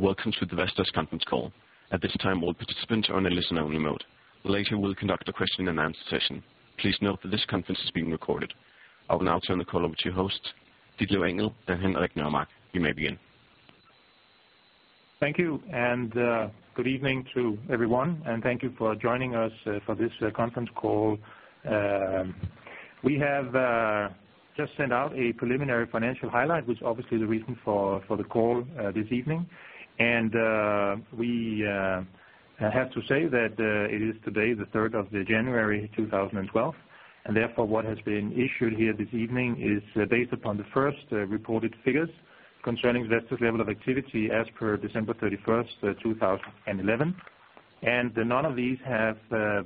Welcome to the Vestas Conference call. At this time, all participants are in a listen-only mode. Later, we'll conduct a question-and-answer session. Please note that this conference is being recorded. I will now turn the call over to your hosts, Ditlev Engel and Henrik Nørremark. You may begin. Thank you, and good evening to everyone. Thank you for joining us for this conference call. We have just sent out a preliminary financial highlight, which is obviously the reason for the call this evening. We have to say that it is today, the 3rd of January, 2012, and therefore what has been issued here this evening is based upon the first reported figures concerning Vestas' level of activity as per December 31st, 2011. None of these have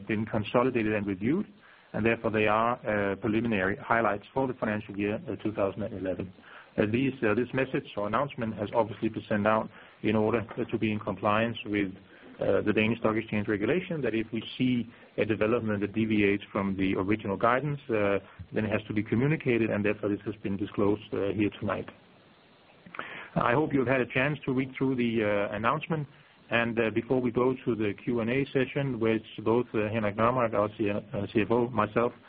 been consolidated and reviewed, and therefore they are preliminary highlights for the financial year 2011. This message or announcement has obviously been sent out in order to be in compliance with the Danish Stock Exchange regulation, that if we see a development that deviates from the original guidance, then it has to be communicated, and therefore this has been disclosed here tonight. I hope you've had a chance to read through the announcement. Before we go to the Q&A session, which both Henrik Nørremark, our CFO, myself, and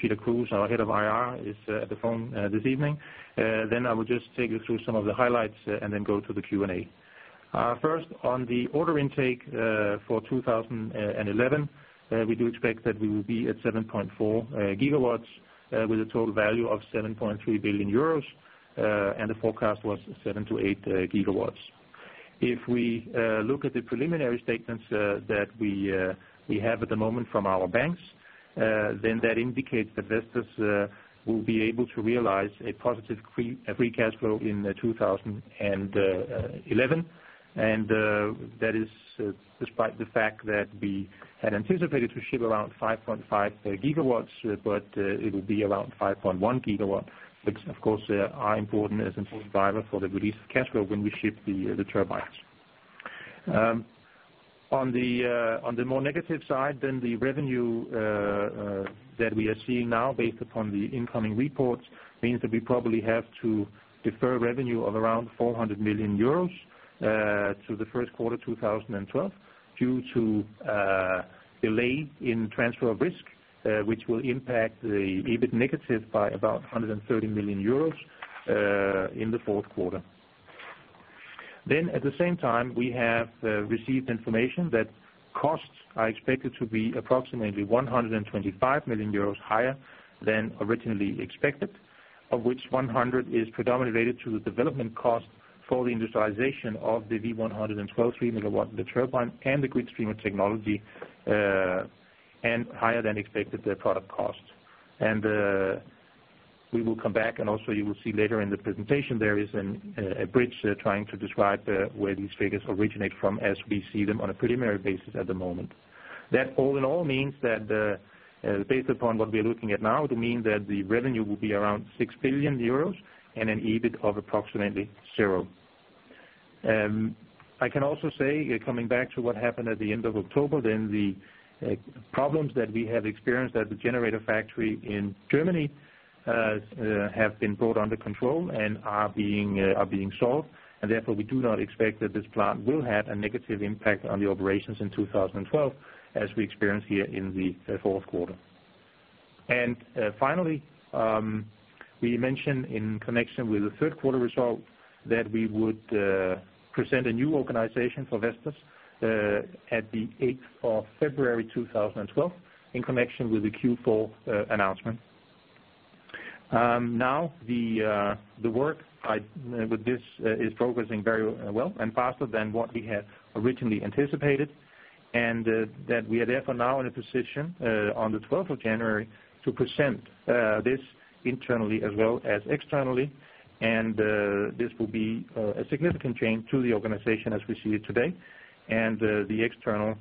Peter Kruse, our Head of IR, is at the phone this evening, then I will just take you through some of the highlights and then go to the Q&A. First, on the order intake for 2011, we do expect that we will be at 7.4 GW with a total value of 7.3 billion euros, and the forecast was 7-8 GW. If we look at the preliminary statements that we have at the moment from our banks, then that indicates that Vestas will be able to realize a positive free cash flow in 2011. And that is despite the fact that we had anticipated to ship around 5.5 GW, but it will be around 5.1 GW, which of course are important as an important driver for the release of cash flow when we ship the turbines. On the more negative side, then the revenue that we are seeing now based upon the incoming reports means that we probably have to defer revenue of around 400 million euros to the first quarter 2012 due to delay in transfer of risk, which will impact the EBIT negative by about 130 million euros in the fourth quarter. Then at the same time, we have received information that costs are expected to be approximately 125 million euros higher than originally expected, of which 100 million is predominantly related to the development cost for the industrialization of the V112 3-MW turbine and the GridStreamer technology, and higher than expected product cost. And we will come back, and also you will see later in the presentation, there is a bridge trying to describe where these figures originate from as we see them on a preliminary basis at the moment. That all in all means that based upon what we are looking at now, it would mean that the revenue will be around 6 billion euros and an EBIT of approximately zero. I can also say, coming back to what happened at the end of October, then the problems that we have experienced at the generator factory in Germany have been brought under control and are being solved. Therefore, we do not expect that this plant will have a negative impact on the operations in 2012 as we experience here in the fourth quarter. Finally, we mentioned in connection with the third quarter result that we would present a new organization for Vestas at the 8th of February, 2012, in connection with the Q4 announcement. Now, the work with this is progressing very well and faster than what we had originally anticipated, and that we are therefore now in a position on the 12th of January to present this internally as well as externally. This will be a significant change to the organization as we see it today. The external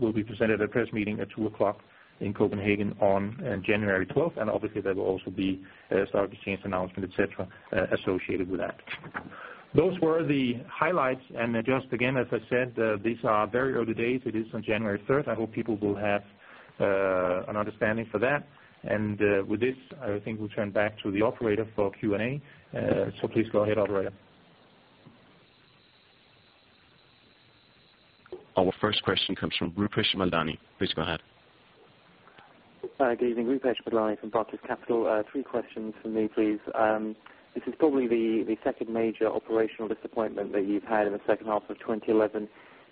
will be presented at a press meeting at 2:00 P.M. in Copenhagen on January 12th, and obviously there will also be a stock exchange announcement, etc., associated with that. Those were the highlights. Just again, as I said, these are very early days. It is on January 3rd. I hope people will have an understanding for that. With this, I think we'll turn back to the operator for Q&A. Please go ahead, operator. Our first question comes from Rupesh Madlani. Please go ahead. Good evening. Rupesh Madlani from Barclays Capital. Three questions for me, please. This is probably the second major operational disappointment that you've had in the second half of 2011.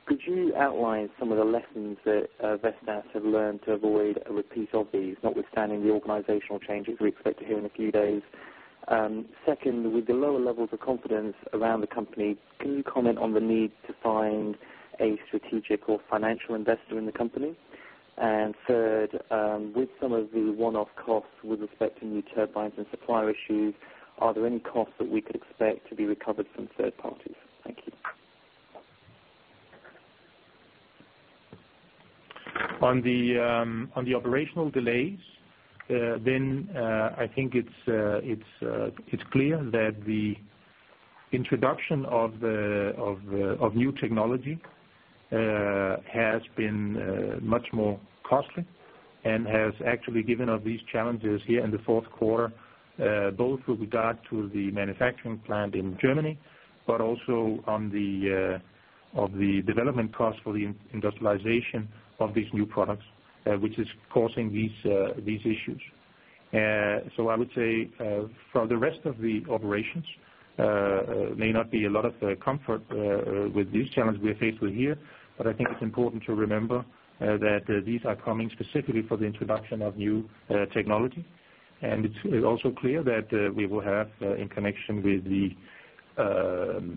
Could you outline some of the lessons that Vestas have learned to avoid a repeat of these, notwithstanding the organizational changes we expect to hear in a few days? Second, with the lower levels of confidence around the company, can you comment on the need to find a strategic or financial investor in the company? And third, with some of the one-off costs with respect to new turbines and supplier issues, are there any costs that we could expect to be recovered from third parties? Thank you. On the operational delays, then I think it's clear that the introduction of new technology has been much more costly and has actually given us these challenges here in the fourth quarter, both with regard to the manufacturing plant in Germany, but also on the development cost for the industrialization of these new products, which is causing these issues. So I would say for the rest of the operations, there may not be a lot of comfort with these challenges we are faced with here, but I think it's important to remember that these are coming specifically for the introduction of new technology. And it's also clear that we will have, in connection with,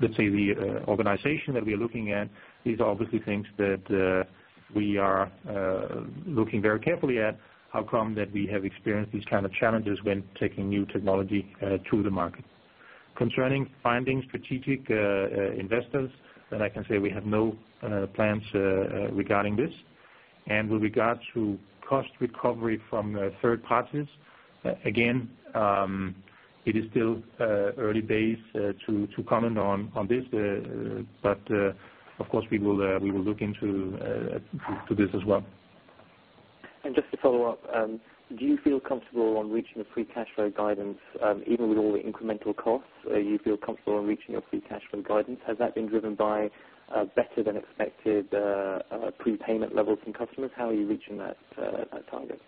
let's say, the organization that we are looking at, these are obviously things that we are looking very carefully at, how come that we have experienced these kind of challenges when taking new technology to the market. Concerning finding strategic investors, then I can say we have no plans regarding this. And with regard to cost recovery from third parties, again, it is still early days to comment on this, but of course we will look into this as well. Just to follow up, do you feel comfortable on reaching the free cash flow guidance even with all the incremental costs? Are you feel comfortable on reaching your free cash flow guidance? Has that been driven by better than expected prepayment levels from customers? How are you reaching that target?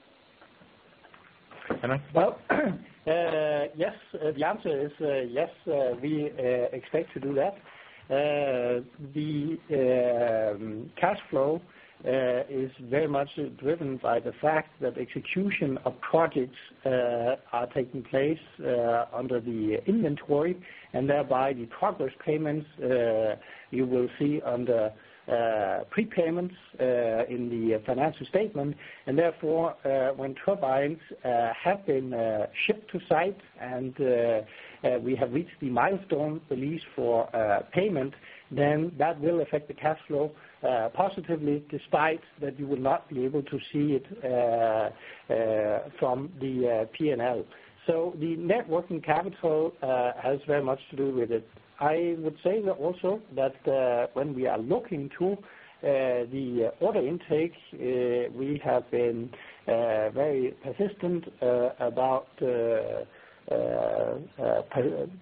Henrik? Well, yes. The answer is yes. We expect to do that. The cash flow is very much driven by the fact that execution of projects are taking place under the inventory, and thereby the progress payments you will see under prepayments in the financial statement. And therefore, when turbines have been shipped to site and we have reached the milestone release for payment, then that will affect the cash flow positively despite that you will not be able to see it from the P&L. So the net working capital has very much to do with it. I would say also that when we are looking to the order intake, we have been very persistent about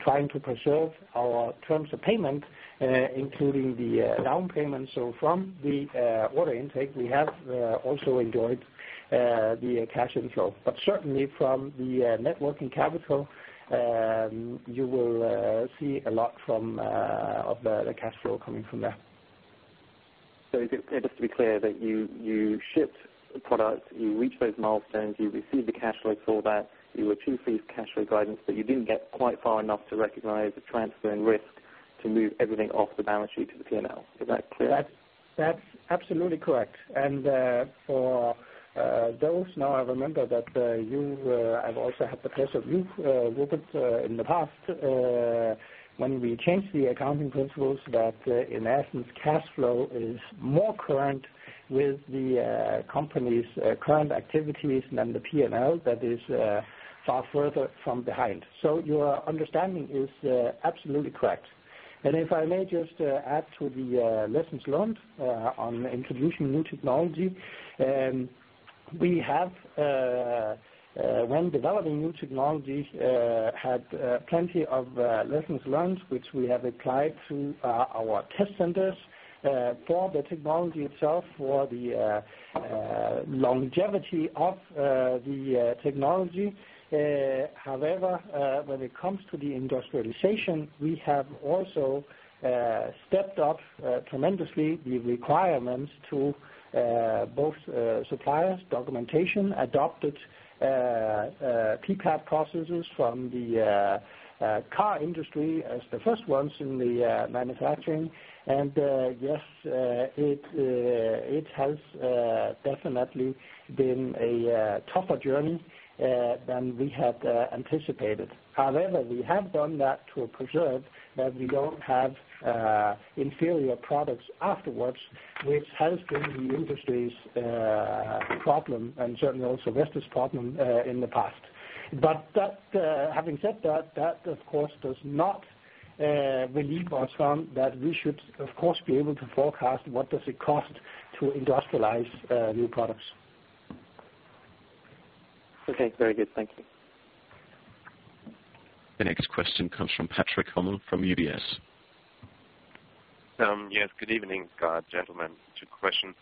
trying to preserve our terms of payment, including the down payment. So from the order intake, we have also enjoyed the cash inflow. Certainly from the net working capital, you will see a lot of the cash flow coming from there. Just to be clear, that you shipped the product, you reached those milestones, you received the cash flow for that, you achieved these cash flow guidance, but you didn't get quite far enough to recognize the transferring risk to move everything off the balance sheet to the P&L. Is that clear? That's absolutely correct. And for those now, I remember that I've also had the pleasure of you, Rupesh, in the past when we changed the accounting principles that in essence cash flow is more current with the company's current activities than the P&L, that is far further from behind. So your understanding is absolutely correct. And if I may just add to the lessons learned on introducing new technology, we have, when developing new technology, had plenty of lessons learned, which we have applied to our test centers for the technology itself, for the longevity of the technology. However, when it comes to the industrialization, we have also stepped up tremendously the requirements to both suppliers, documentation, adopted PPAP processes from the car industry as the first ones in the manufacturing. And yes, it has definitely been a tougher journey than we had anticipated. However, we have done that to preserve that we don't have inferior products afterwards, which has been the industry's problem and certainly also Vestas' problem in the past. But having said that, that of course does not relieve us from that we should of course be able to forecast what does it cost to industrialize new products. Okay. Very good. Thank you. The next question comes from Patrick Hummel from UBS. Yes. Good evening, gentlemen. Two questions.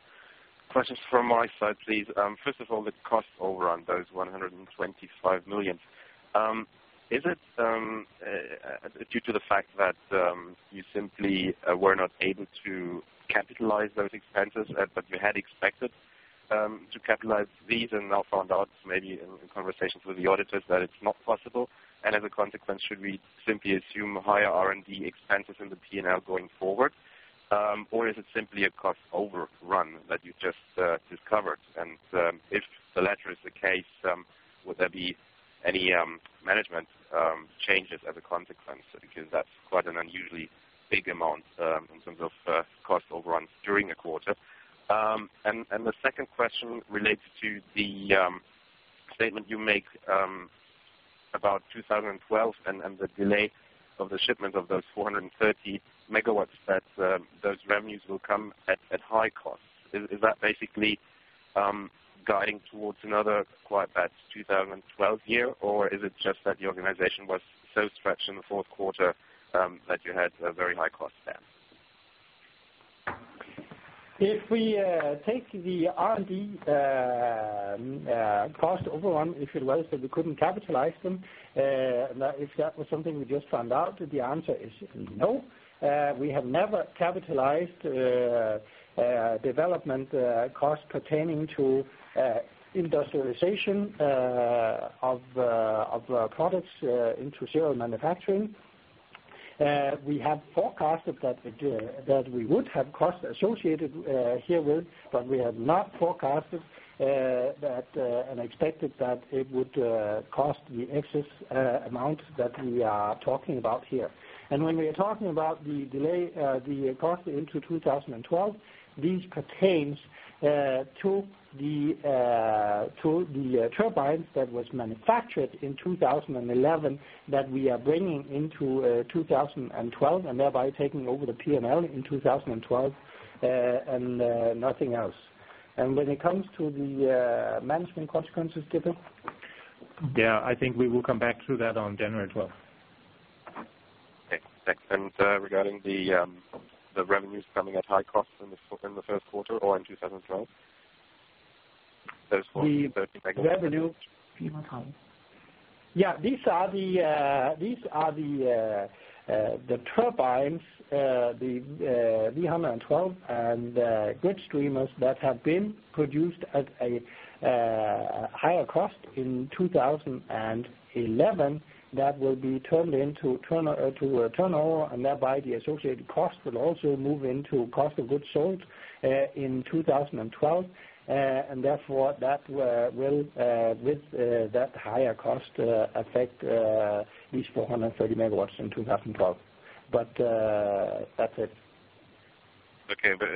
Questions from my side, please. First of all, the cost overrun, those 125 million, is it due to the fact that you simply were not able to capitalize those expenses that you had expected to capitalize these and now found out maybe in conversations with the auditors that it's not possible? And as a consequence, should we simply assume higher R&D expenses in the P&L going forward, or is it simply a cost overrun that you just discovered? And if the latter is the case, would there be any management changes as a consequence? Because that's quite an unusually big amount in terms of cost overruns during a quarter. And the second question relates to the statement you make about 2012 and the delay of the shipment of those 430 MW, that those revenues will come at high costs. Is that basically guiding towards another quite bad 2012 year, or is it just that the organization was so stretched in the fourth quarter that you had a very high cost span? If we take the R&D cost overrun, if it was that we couldn't capitalize them, if that was something we just found out, the answer is no. We have never capitalized development costs pertaining to industrialization of products into serial manufacturing. We have forecasted that we would have costs associated here with, but we have not forecasted and expected that it would cost the excess amount that we are talking about here. And when we are talking about the cost into 2012, these pertain to the turbines that were manufactured in 2011 that we are bringing into 2012 and thereby taking over the P&L in 2012 and nothing else. And when it comes to the management consequences, Ditlev? Yeah. I think we will come back to that on January 12th. Okay. Thanks. Regarding the revenues coming at high costs in the first quarter or in 2012, those 430 MW? The revenue. Yeah. These are the turbines, the V112 and GridStreamers that have been produced at a higher cost in 2011 that will be turned into turnover and thereby the associated cost will also move into cost of goods sold in 2012. And therefore, that will, with that higher cost, affect these 430 MW in 2012. But that's it. Okay. But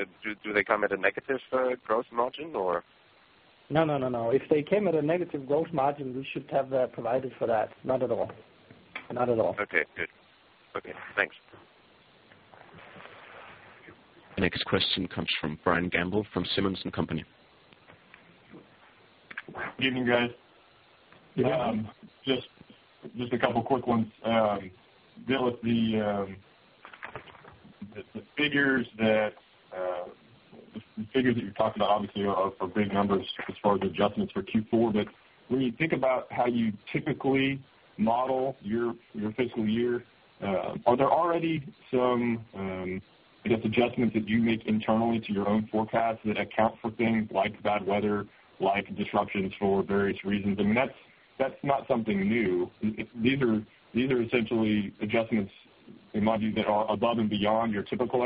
do they come at a negative gross margin, or? No, no, no, no. If they came at a negative gross margin, we should have provided for that. Not at all. Not at all. Okay. Good. Okay. Thanks. The next question comes from Brian Gamble from Simmons & Company. Good evening, guys. Just a couple of quick ones. Ditlev, the figures that you're talking about obviously are big numbers as far as adjustments for Q4, but when you think about how you typically model your fiscal year, are there already some, I guess, adjustments that you make internally to your own forecasts that account for things like bad weather, like disruptions for various reasons? I mean, that's not something new. These are essentially adjustments, in my view, that are above and beyond your typical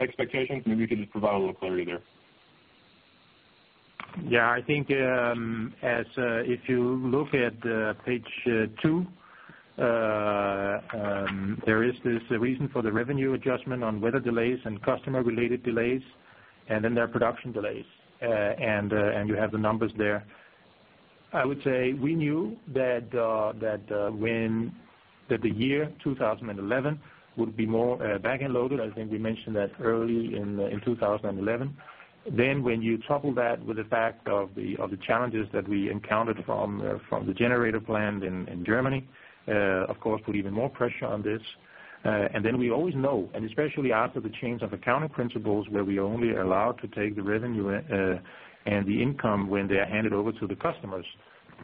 expectations. Maybe you could just provide a little clarity there. Yeah. I think if you look at page two, there is this reason for the revenue adjustment on weather delays and customer-related delays, and then there are production delays. And you have the numbers there. I would say we knew that the year 2011 would be more back-end-loaded. I think we mentioned that early in 2011. When you topple that with the fact of the challenges that we encountered from the generator plant in Germany, of course, put even more pressure on this. And then we always know, and especially after the change of accounting principles where we are only allowed to take the revenue and the income when they are handed over to the customers,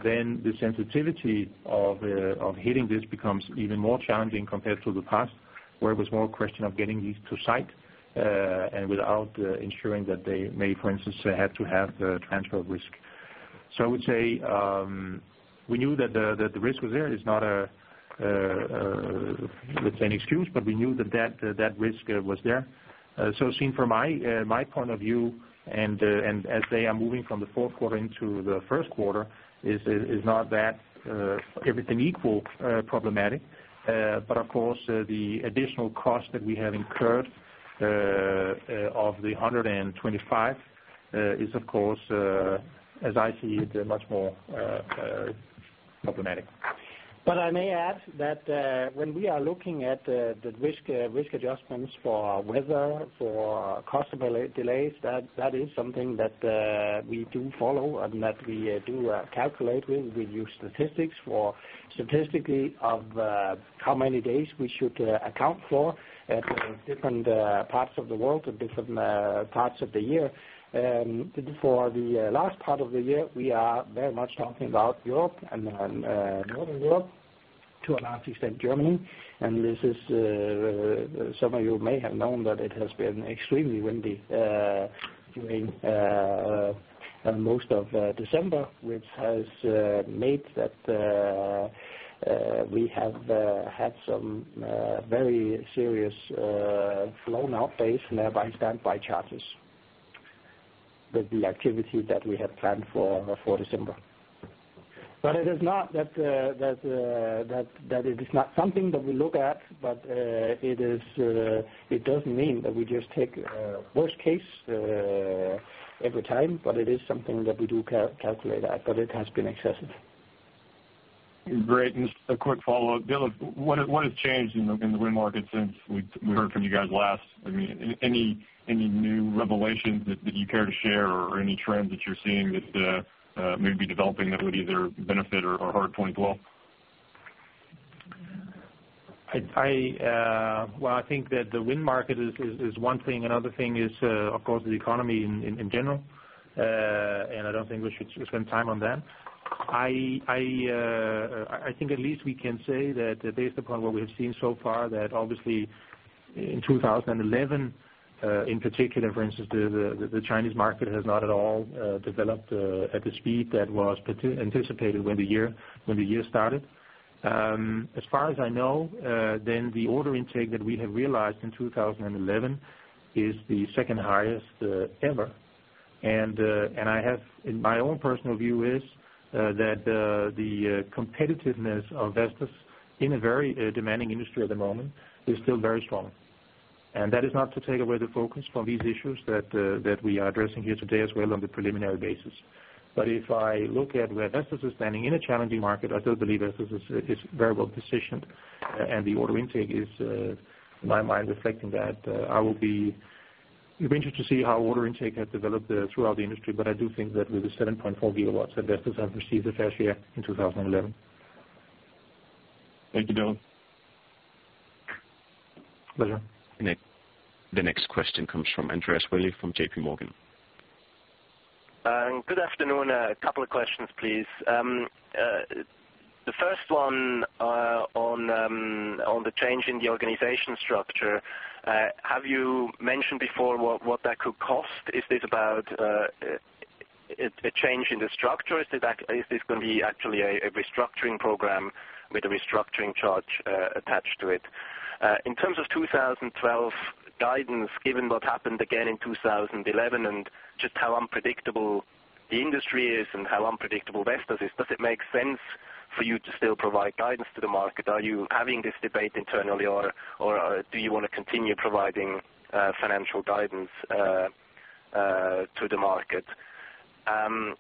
then the sensitivity of hitting this becomes even more challenging compared to the past where it was more a question of getting these to site and without ensuring that they may, for instance, have to have transfer risk. So I would say we knew that the risk was there. It's not a, let's say, an excuse, but we knew that that risk was there. So seen from my point of view and as they are moving from the fourth quarter into the first quarter, it's not that everything equal problematic. Of course, the additional cost that we have incurred of the 125 is, of course, as I see it, much more problematic. But I may add that when we are looking at the risk adjustments for weather, for cost of delays, that is something that we do follow and that we do calculate with. We use statistics statistically of how many days we should account for at different parts of the world, at different parts of the year. For the last part of the year, we are very much talking about Europe and then Northern Europe, to a large extent, Germany. And some of you may have known that it has been extremely windy during most of December, which has made that we have had some very serious blown-out days and thereby standby charges with the activity that we had planned for December. But it is not that it is not something that we look at, but it doesn't mean that we just take worst case every time. But it is something that we do calculate that, but it has been excessive. Great. And just a quick follow-up. Ditlev, what has changed in the wind market since we heard from you guys last? I mean, any new revelations that you care to share or any trends that you're seeing that may be developing that would either benefit or hurt 2012? Well, I think that the wind market is one thing. Another thing is, of course, the economy in general. I don't think we should spend time on that. I think at least we can say that based upon what we have seen so far, that obviously in 2011 in particular, for instance, the Chinese market has not at all developed at the speed that was anticipated when the year started. As far as I know, then the order intake that we have realized in 2011 is the second highest ever. In my own personal view, it is that the competitiveness of Vestas in a very demanding industry at the moment is still very strong. That is not to take away the focus from these issues that we are addressing here today as well on the preliminary basis. But if I look at where Vestas is standing in a challenging market, I still believe Vestas is very well positioned. And the order intake is, in my mind, reflecting that. I will be interested to see how order intake has developed throughout the industry, but I do think that with the 7.4 GW that Vestas has received the first year in 2011. Thank you, Ditlev. Pleasure. The next question comes from Andreas Willi from JPMorgan. Good afternoon. A couple of questions, please. The first one on the change in the organization structure. Have you mentioned before what that could cost? Is this about a change in the structure? Is this going to be actually a restructuring program with a restructuring charge attached to it? In terms of 2012 guidance, given what happened again in 2011 and just how unpredictable the industry is and how unpredictable Vestas is, does it make sense for you to still provide guidance to the market? Are you having this debate internally, or do you want to continue providing financial guidance to the market? And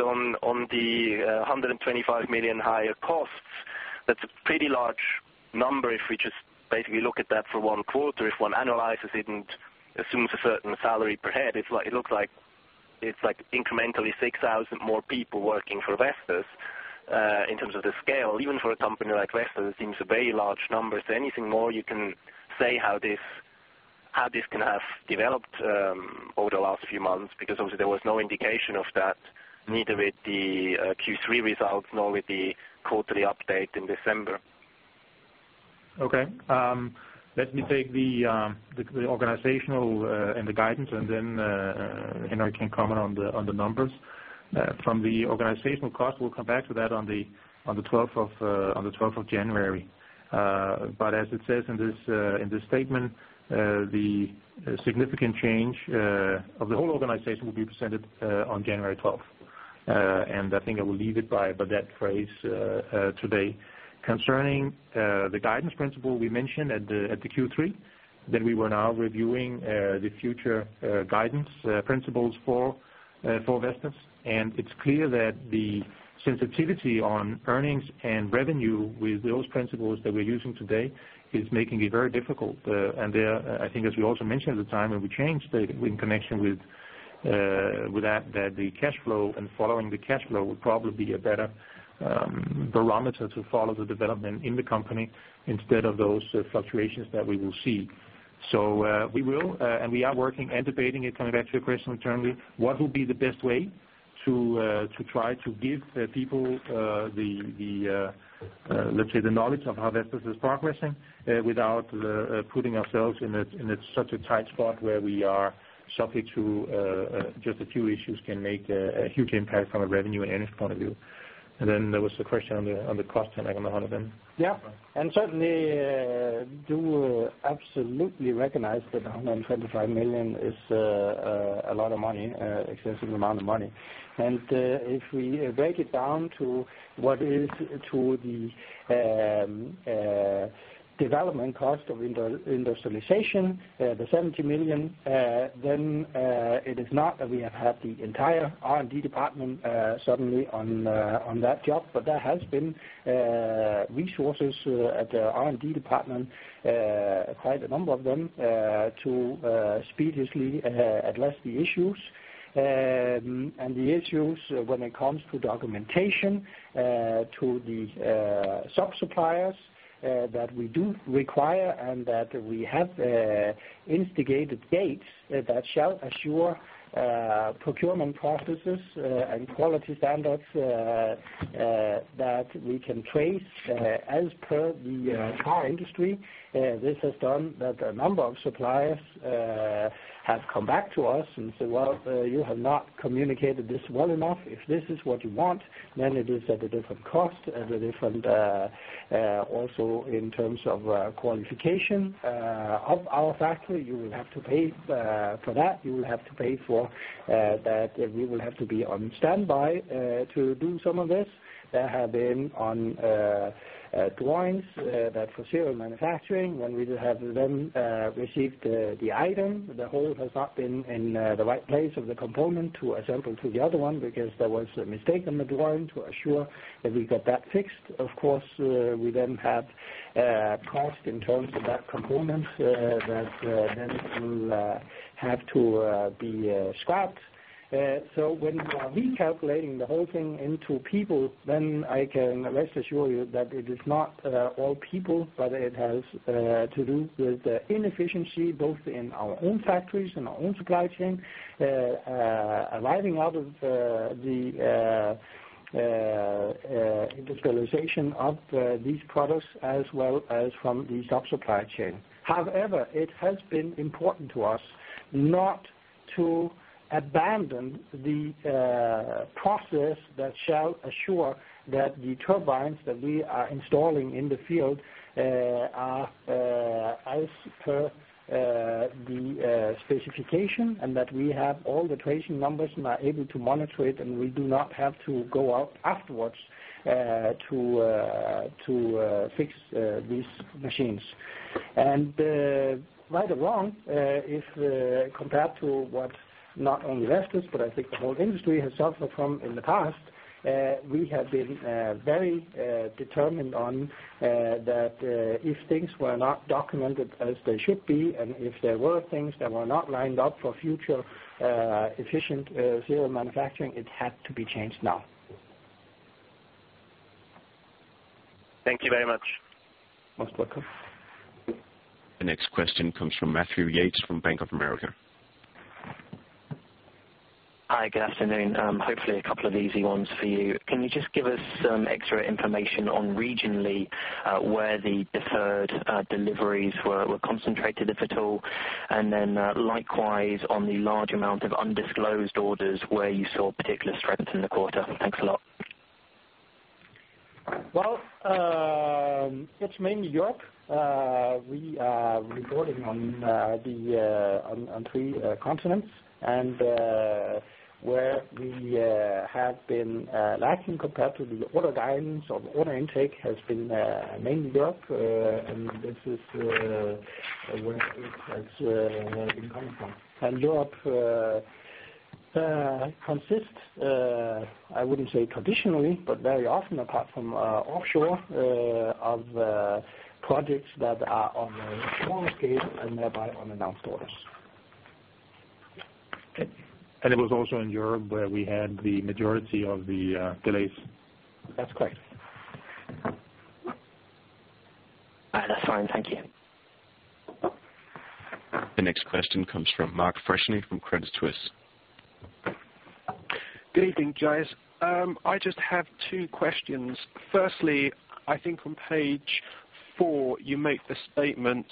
on the 125 million higher costs, that's a pretty large number if we just basically look at that for one quarter. If one analyzes it and assumes a certain salary per head, it looks like incrementally 6,000 more people working for Vestas in terms of the scale. Even for a company like Vestas, it seems a very large number. So anything more, you can say how this can have developed over the last few months because obviously there was no indication of that, neither with the Q3 results nor with the quarterly update in December. Okay. Let me take the organizational and the guidance, and then Henrik can comment on the numbers. From the organizational cost, we'll come back to that on the 12th of January. But as it says in this statement, the significant change of the whole organization will be presented on January 12th. I think I will leave it by that phrase today. Concerning the guidance principle we mentioned at the Q3, that we were now reviewing the future guidance principles for Vestas. It's clear that the sensitivity on earnings and revenue with those principles that we're using today is making it very difficult. There, I think as we also mentioned at the time when we changed in connection with that, that the cash flow and following the cash flow would probably be a better barometer to follow the development in the company instead of those fluctuations that we will see. We will, and we are working and debating it, coming back to your question internally, what will be the best way to try to give people the, let's say, the knowledge of how Vestas is progressing without putting ourselves in such a tight spot where we are subject to just a few issues can make a huge impact from a revenue and earnings point of view. Then there was a question on the cost, Henrik, on the 110. Yeah. And certainly, do absolutely recognize that the 125 million is a lot of money, an excessive amount of money. And if we break it down to what is to the development cost of industrialization, the 70 million, then it is not that we have had the entire R&D department suddenly on that job, but there have been resources at the R&D department, quite a number of them, to expeditiously address the issues. And the issues when it comes to documentation to the sub-suppliers that we do require and that we have instigated gates that shall assure procurement processes and quality standards that we can trace as per the entire industry. This has done that a number of suppliers have come back to us and said, "Well, you have not communicated this well enough. If this is what you want, then it is at a different cost, at a different also in terms of qualification of our factory. You will have to pay for that. You will have to pay for that. We will have to be on standby to do some of this. There have been on drawings that for serial manufacturing when we have them received the item, the hole has not been in the right place of the component to assemble to the other one because there was a mistake on the drawing to assure that we got that fixed. Of course, we then have cost in terms of that component that then will have to be scrapped. So when we are recalculating the whole thing into people, then I can rest assure you that it is not all people, but it has to do with the inefficiency both in our own factories and our own supply chain arriving out of the industrialization of these products as well as from the subsupply chain. However, it has been important to us not to abandon the process that shall assure that the turbines that we are installing in the field are as per the specification and that we have all the tracing numbers and are able to monitor it, and we do not have to go out afterwards to fix these machines. Right or wrong, compared to what not only Vestas, but I think the whole industry has suffered from in the past, we have been very determined on that if things were not documented as they should be and if there were things that were not lined up for future efficient serial manufacturing, it had to be changed now. Thank you very much. Most welcome. The next question comes from Matthew Yates from Bank of America. Hi. Good afternoon. Hopefully, a couple of easy ones for you. Can you just give us some extra information on regionally where the deferred deliveries were concentrated, if at all? And then likewise, on the large amount of undisclosed orders where you saw particular strength in the quarter. Thanks a lot. Well, it's mainly Europe. We are reporting on three continents. Where we have been lacking compared to the order guidance or the order intake has been mainly Europe. This is where it has been coming from. Europe consists, I wouldn't say traditionally, but very often, apart from offshore, of projects that are on a smaller scale and thereby on announced orders. It was also in Europe where we had the majority of the delays. That's correct. All right. That's fine. Thank you. The next question comes from Mark Freshney from Credit Suisse. Good evening, guys. I just have two questions. Firstly, I think on page four, you make the statement,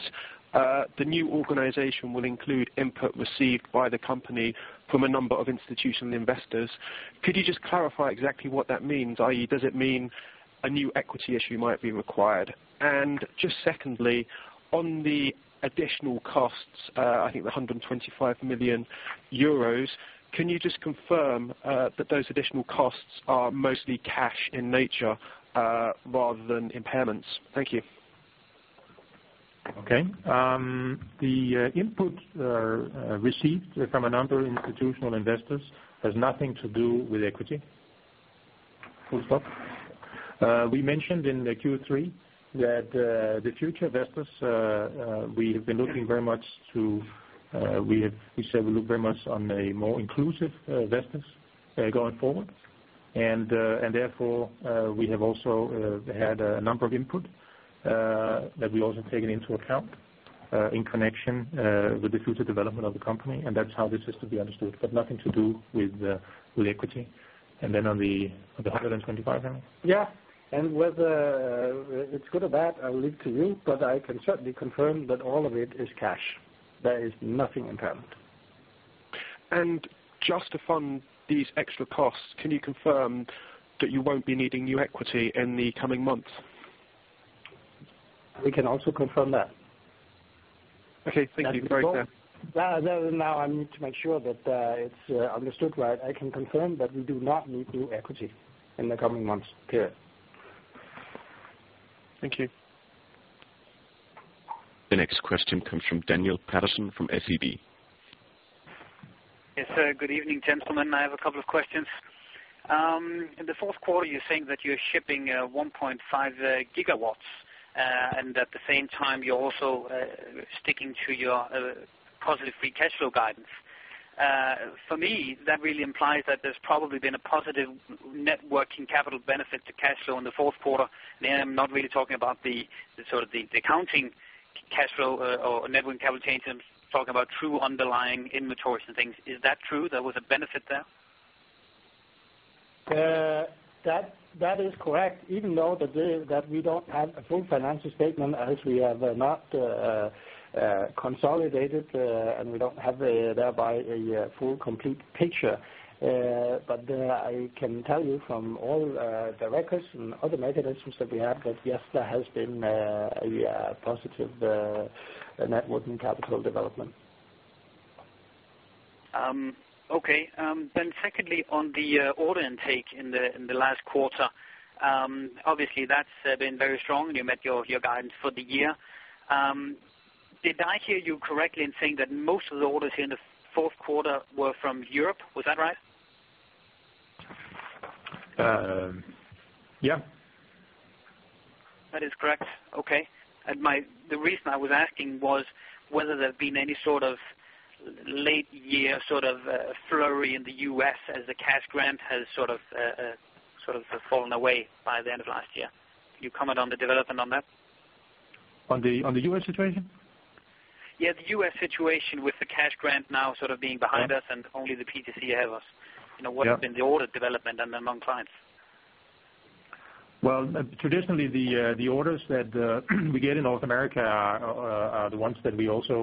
"The new organization will include input received by the company from a number of institutional investors." Could you just clarify exactly what that means, i.e., does it mean a new equity issue might be required? And just secondly, on the additional costs, I think the 125 million euros, can you just confirm that those additional costs are mostly cash in nature rather than impairments? Thank you. Okay. The input received from a number of institutional investors has nothing to do with equity. We mentioned in the Q3 that the future Vestas, we have been looking very much to we said we look very much on a more inclusive Vestas going forward. And therefore, we have also had a number of input that we also taken into account in connection with the future development of the company. And that's how this is to be understood, but nothing to do with equity. And then on the 125, Henrik? Yeah. Whether it's good or bad, I'll leave to you, but I can certainly confirm that all of it is cash. There is no impairment. Just to fund these extra costs, can you confirm that you won't be needing new equity in the coming months? We can also confirm that. Okay. Thank you. Very fair. Now, I need to make sure that it's understood right. I can confirm that we do not need new equity in the coming months, period. Thank you. The next question comes from Daniel Patterson from SEB. Yes, sir. Good evening, gentlemen. I have a couple of questions. In the fourth quarter, you're saying that you're shipping 1.5 GW and at the same time, you're also sticking to your positive free cash flow guidance. For me, that really implies that there's probably been a positive working capital benefit to cash flow in the fourth quarter. And here, I'm not really talking about the sort of the accounting cash flow or working capital change. I'm talking about true underlying inventories and things. Is that true? There was a benefit there? That is correct, even though we don't have a full financial statement as we have not consolidated, and we don't have thereby a full complete picture. But I can tell you from all the records and other mechanisms that we have that, yes, there has been a positive net working capital development. Okay. Then secondly, on the order intake in the last quarter, obviously, that's been very strong, and you met your guidance for the year. Did I hear you correctly in saying that most of the orders here in the fourth quarter were from Europe? Was that right? Yeah. That is correct. Okay. The reason I was asking was whether there'd been any sort of late-year sort of flurry in the U.S. as the cash grant has sort of fallen away by the end of last year. Can you comment on the development on that? On the U.S. situation? Yeah. The U.S. situation with the cash grant now sort of being behind us and only the PTC ahead of us. What's been the order development among clients? Well, traditionally, the orders that we get in North America are the ones that we also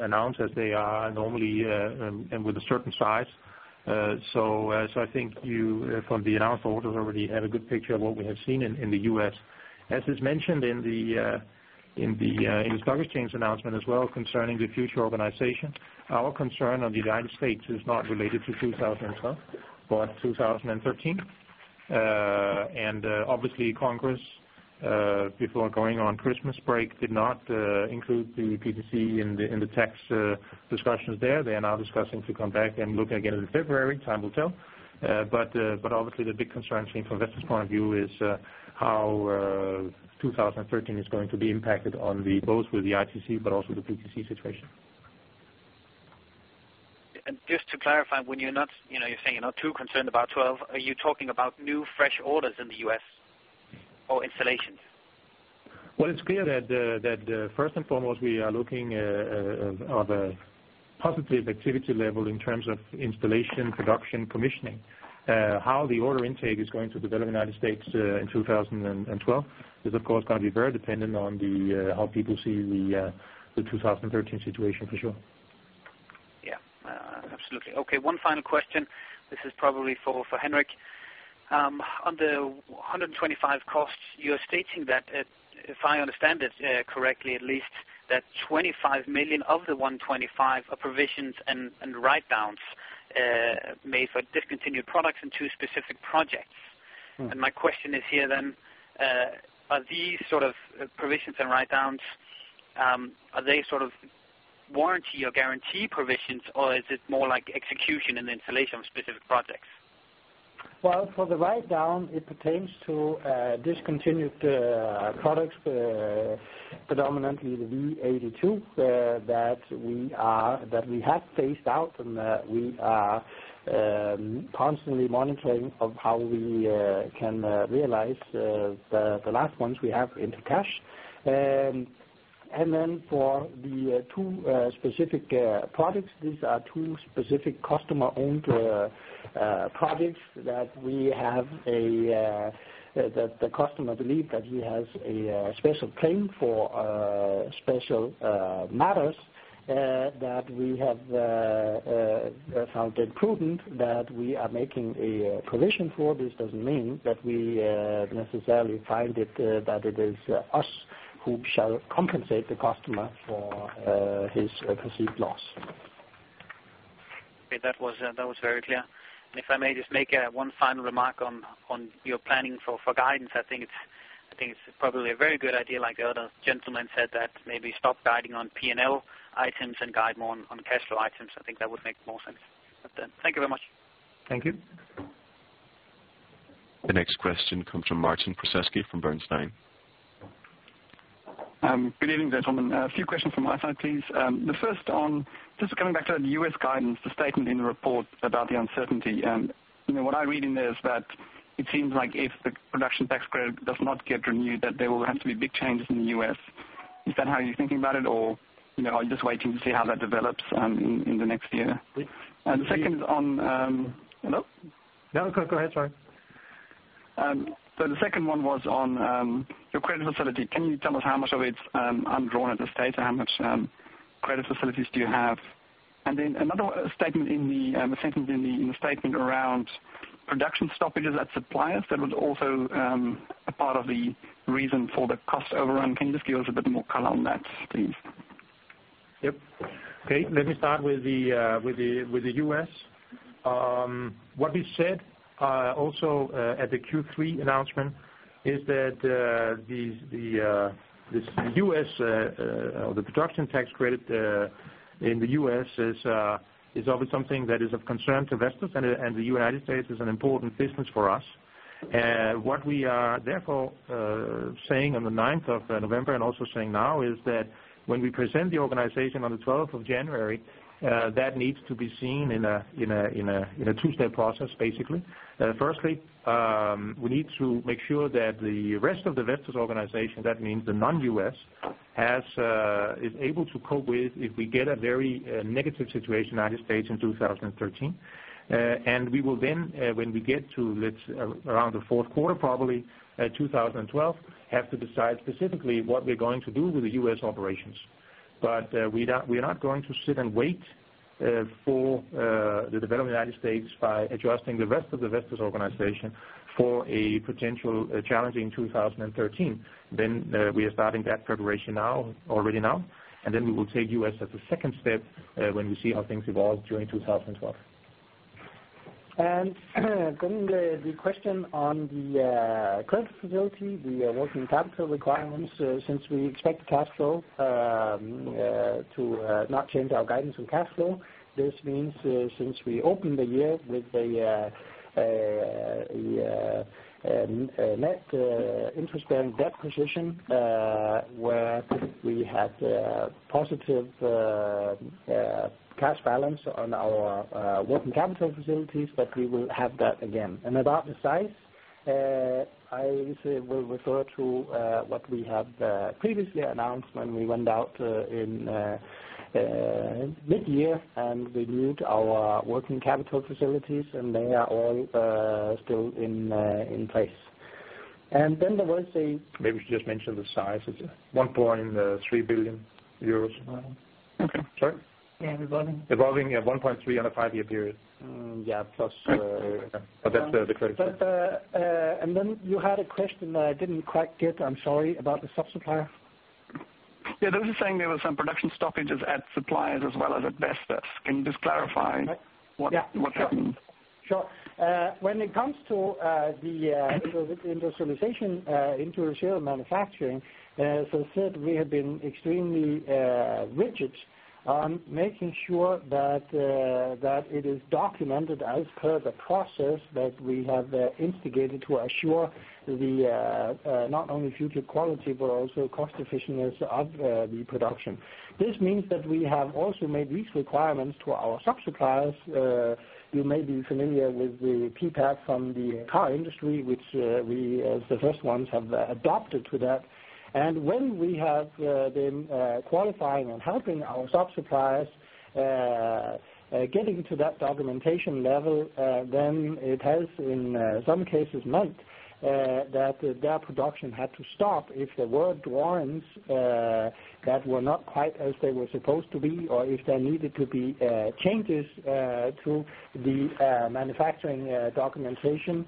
announce as they are normally and with a certain size. So I think you, from the announced orders, already have a good picture of what we have seen in the U.S. As is mentioned in the stock exchange announcement as well concerning the future organization, our concern on the United States is not related to 2012 but 2013. Obviously, Congress, before going on Christmas break, did not include the PTC in the tax discussions there. They are now discussing to come back and look again in February. Time will tell. Obviously, the big concern, I think, from Vestas' point of view is how 2013 is going to be impacted both with the ITC but also the PTC situation. And just to clarify, when you're saying you're not too concerned about 2012. Are you talking about new fresh orders in the US or installations? Well, it's clear that first and foremost, we are looking at a positive activity level in terms of installation, production, commissioning. How the order intake is going to develop in the United States in 2012 is, of course, going to be very dependent on how people see the 2013 situation for sure. Yeah. Absolutely. Okay. One final question. This is probably for Henrik. On the 125 million costs, you're stating that, if I understand it correctly at least, that 25 million of the 125 million are provisions and write-downs made for discontinued products and two specific projects. And my question is here then, are these sort of provisions and write-downs, are they sort of warranty or guarantee provisions, or is it more like execution and installation of specific projects? Well, for the write-down, it pertains to discontinued products, predominantly the V82 that we have phased out and that we are constantly monitoring of how we can realize the last ones we have into cash. And then for the two specific products, these are two specific customer-owned projects that we have that the customer believed that he has a special claim for special matters that we have found it prudent that we are making a provision for. This doesn't mean that we necessarily find it that it is us who shall compensate the customer for his perceived loss. Okay. That was very clear. And if I may just make one final remark on your planning for guidance, I think it's probably a very good idea, like the other gentleman said, that maybe stop guiding on P&L items and guide more on cash flow items. I think that would make more sense. Thank you very much. Thank you. The next question comes from Martin Prozesky from Bernstein. Good evening, gentlemen. A few questions from my side, please. The first on just coming back to that U.S. guidance, the statement in the report about the uncertainty. What I read in there is that it seems like if the production tax credit does not get renewed, that there will have to be big changes in the U.S. Is that how you're thinking about it, or are you just waiting to see how that develops in the next year? The second is on hello? No, go ahead. Sorry. So the second one was on your credit facility. Can you tell us how much of it's undrawn at this stage and how much credit facilities do you have? And then another statement in the a sentence in the statement around production stoppages at suppliers, that was also a part of the reason for the cost overrun. Can you just give us a bit more color on that, please? Yep. Okay. Let me start with the US. What we said also at the Q3 announcement is that the US or the production tax credit in the US is always something that is of concern to Vestas, and the United States is an important business for us. What we are therefore saying on the 9th of November and also saying now is that when we present the organization on the 12th of January, that needs to be seen in a two-step process, basically. Firstly, we need to make sure that the rest of the Vestas organization, that means the non-US, is able to cope with if we get a very negative situation in the United States in 2013. And we will then, when we get to around the fourth quarter, probably 2012, have to decide specifically what we're going to do with the US operations. We are not going to sit and wait for the development of the United States by adjusting the rest of the Vestas organization for a potential challenge in 2013. We are starting that preparation already now. We will take US as a second step when we see how things evolve during 2012. And then the question on the credit facility, the working capital requirements, since we expect the cash flow to not change our guidance on cash flow, this means since we opened the year with a net interest-bearing debt position where we had positive cash balance on our working capital facilities, that we will have that again. And about the size, I will refer to what we have previously announced when we went out in midyear and renewed our working capital facilities, and they are all still in place. And then there was a. Maybe you should just mention the size. It's 1.3 billion euros. Sorry? Yeah. Evolving. Evolving at 1.3 on a five-year period. Yeah. Plus. But that's the credit facility. And then you had a question that I didn't quite get. I'm sorry. About the subsupplier? Yeah. They were saying there were some production stoppages at suppliers as well as at Vestas. Can you just clarify what happened? Sure. When it comes to the industrialization, industrial manufacturing, as I said, we have been extremely rigid on making sure that it is documented as per the process that we have instigated to assure not only future quality but also cost efficiency of the production. This means that we have also made these requirements to our subsuppliers. You may be familiar with the PPAP from the car industry, which we, as the first ones, have adopted to that. When we have been qualifying and helping our subsuppliers getting to that documentation level, then it has, in some cases, meant that their production had to stop if there were drawings that were not quite as they were supposed to be or if there needed to be changes to the manufacturing documentation.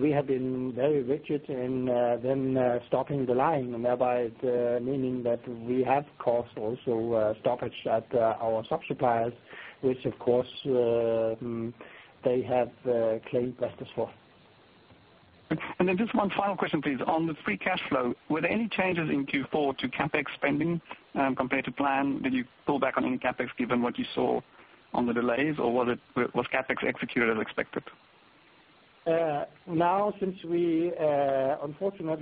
We have been very rigid in then stopping the line and thereby meaning that we have caused also stoppage at our subsuppliers, which, of course, they have claimed Vestas for. Then just one final question, please. On the free cash flow, were there any changes in Q4 to CapEx spending compared to plan? Did you pull back on any CapEx given what you saw on the delays, or was CapEx executed as expected? Now, unfortunately,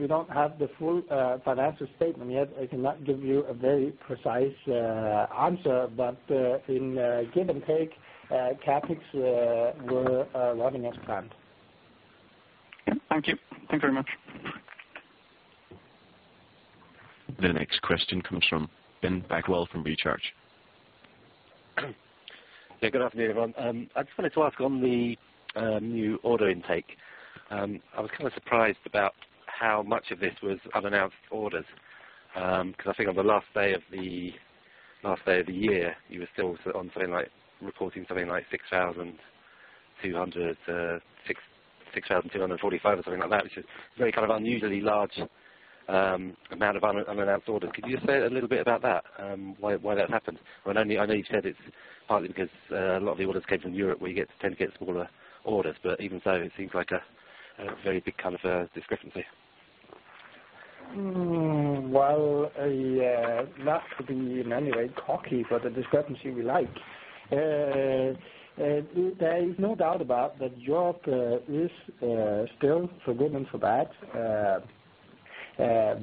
we don't have the full financial statement yet. I cannot give you a very precise answer. But give or take, CapEx were running as planned. Thank you. Thanks very much. The next question comes from Ben Backwell from Recharge. Yeah. Good afternoon, everyone. I just wanted to ask on the new order intake. I was kind of surprised about how much of this was unannounced orders because I think on the last day of the last day of the year, you were still reporting something like 6,245 or something like that, which is a very kind of unusually large amount of unannounced orders. Could you just say a little bit about that, why that's happened? I know you've said it's partly because a lot of the orders came from Europe, where you tend to get smaller orders. But even so, it seems like a very big kind of discrepancy. Well, not to be in any way cocky, but a discrepancy we like. There is no doubt about that, Europe is still, for good and for bad,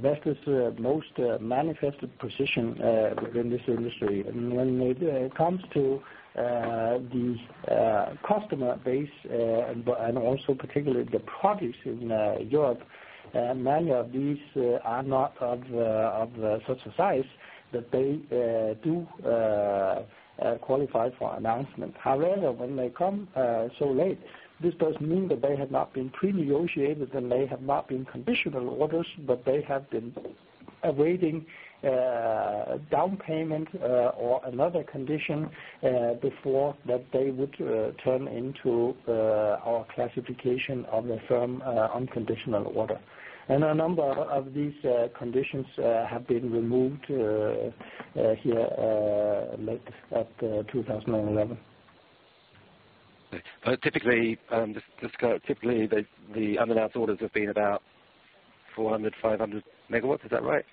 Vestas' most manifested position within this industry. And when it comes to the customer base and also particularly the produce in Europe, many of these are not of such a size that they do qualify for announcement. However, when they come so late, this does mean that they have not been pre-negotiated and they have not been conditional orders, but they have been awaiting down payment or another condition before that they would turn into our classification of a firm unconditional order. And a number of these conditions have been removed here late in 2011. Typically, the unannounced orders have been about 400 MW-500 MW. Is that right?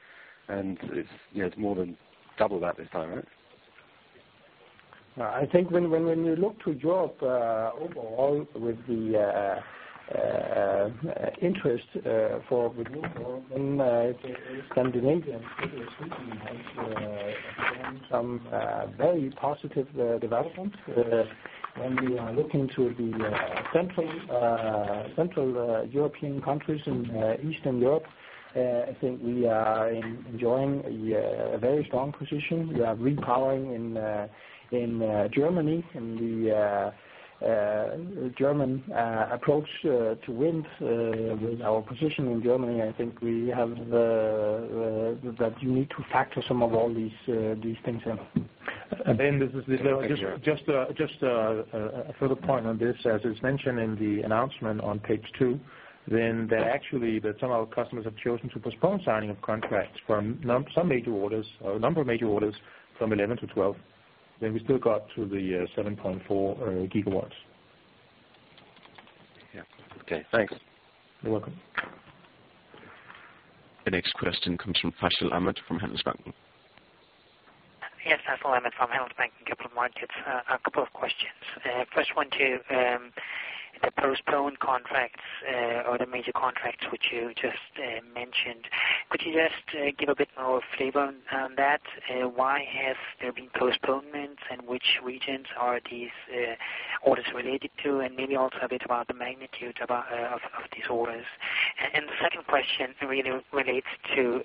It's more than double that this time, right? I think when you look to Europe overall with the interest for renewal, then Scandinavia and Sweden have shown some very positive developments. When we are looking to the Central European countries in Eastern Europe, I think we are enjoying a very strong position. We are repowering in Germany in the German approach to wind. With our position in Germany, I think we have that you need to factor some of all these things in. Ben, just a further point on this. As is mentioned in the announcement on page 2, then some of our customers have chosen to postpone signing of contracts for some major orders or a number of major orders from 2011 to 2012. We still got to the 7.4 GW. Yeah. Okay. Thanks. You're welcome. The next question comes from Faisal Ahmad from Handelsbanken. Yes. Faisal Ahmad from Handelsbanken Capital Markets. A couple of questions. First one to the postponed contracts or the major contracts which you just mentioned. Could you just give a bit more flavor on that? Why has there been postponements and which regions are these orders related to? And maybe also a bit about the magnitude of these orders. And the second question really relates to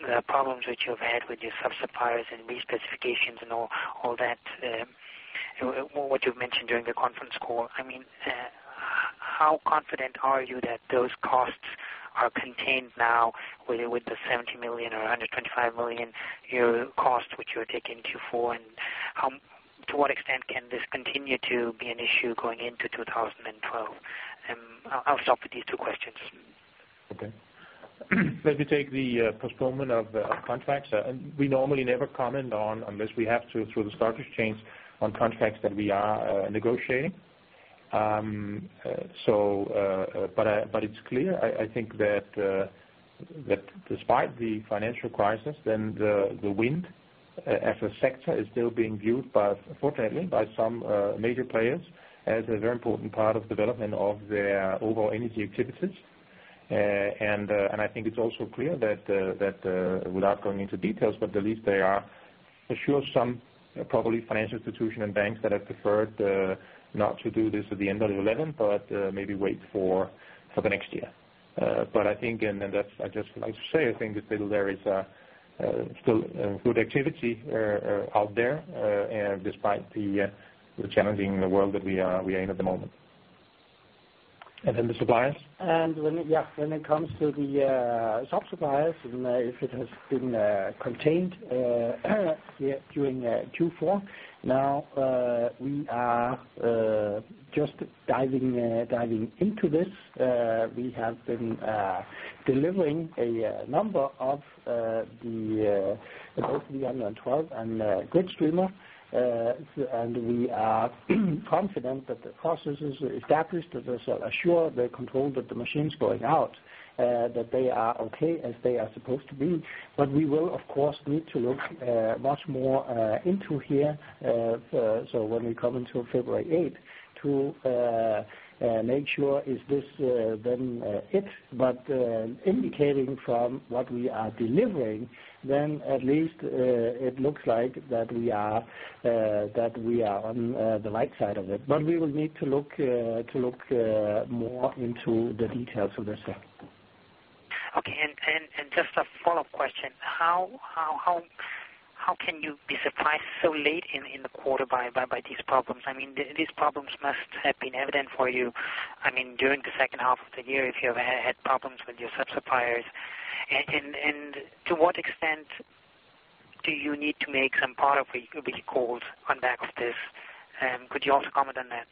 the problems which you've had with your subsuppliers and respecifications and all that, what you've mentioned during the conference call. I mean, how confident are you that those costs are contained now with the 70 million or 125 million euro cost which you're taking Q4? And to what extent can this continue to be an issue going into 2012? And I'll stop with these two questions. Okay. Let me take the postponement of contracts. We normally never comment on unless we have to through the stock exchange on contracts that we are negotiating. But it's clear, I think, that despite the financial crisis, then the wind as a sector is still being viewed, fortunately, by some major players as a very important part of development of their overall energy activities. And I think it's also clear that without going into details, but at least there are for sure some probably financial institutions and banks that have preferred not to do this at the end of 2011 but maybe wait for the next year. But I think and then I just would like to say, I think, that still there is still good activity out there despite the challenging world that we are in at the moment. And then the suppliers? Yeah. When it comes to the subsuppliers and if it has been contained during Q4, now we are just diving into this. We have been delivering a number of both the V112 and GridStreamer. We are confident that the process is established that assure the control that the machine's going out, that they are okay as they are supposed to be. We will, of course, need to look much more into here. So when we come into February 8th to make sure, is this then it? Indicating from what we are delivering, then at least it looks like that we are on the right side of it. We will need to look more into the details of this, sir. Okay. And just a follow-up question. How can you be surprised so late in the quarter by these problems? I mean, these problems must have been evident for you, I mean, during the second half of the year if you've had problems with your subsuppliers. And to what extent do you need to make some part of recalls on back of this? Could you also comment on that?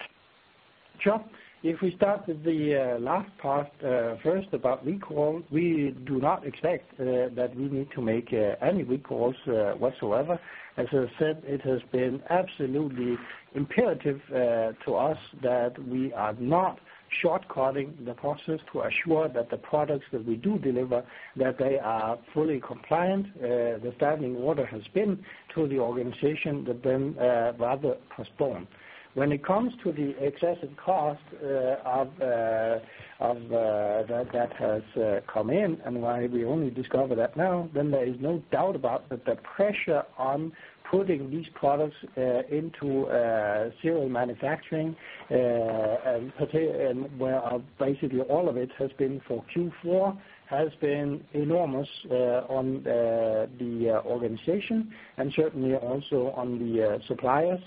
Sure. If we start with the last part first about recall, we do not expect that we need to make any recalls whatsoever. As I said, it has been absolutely imperative to us that we are not shortcutting the process to assure that the products that we do deliver, that they are fully compliant. The standing order has been to the organization that then rather postpone. When it comes to the excessive cost that has come in and why we only discover that now, then there is no doubt about that the pressure on putting these products into serial manufacturing where basically all of it has been for Q4 has been enormous on the organization and certainly also on the suppliers.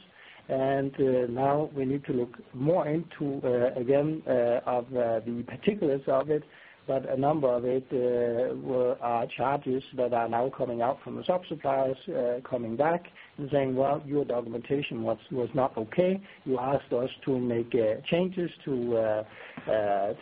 And now we need to look more into, again, the particulars of it. But a number of it are charges that are now coming out from the subsuppliers coming back and saying, "Well, your documentation was not okay. You asked us to make changes to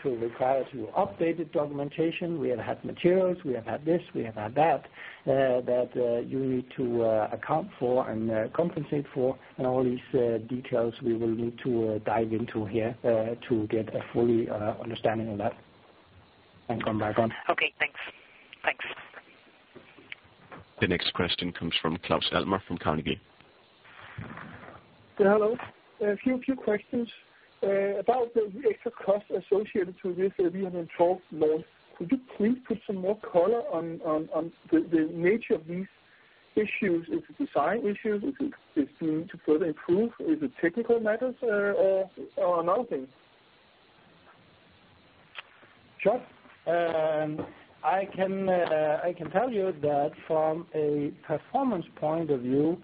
require to update the documentation. We have had materials. We have had this. We have had that that you need to account for and compensate for." And all these details, we will need to dive into here to get a full understanding of that and come back on. Okay. Thanks. Thanks. The next question comes from Claus Almer from Carnegie. Hello. A few questions about the extra cost associated to this V112 loan. Could you please put some more color on the nature of these issues? Is it design issues? Is it need to further improve? Is it technical matters or another thing? Sure. I can tell you that from a performance point of view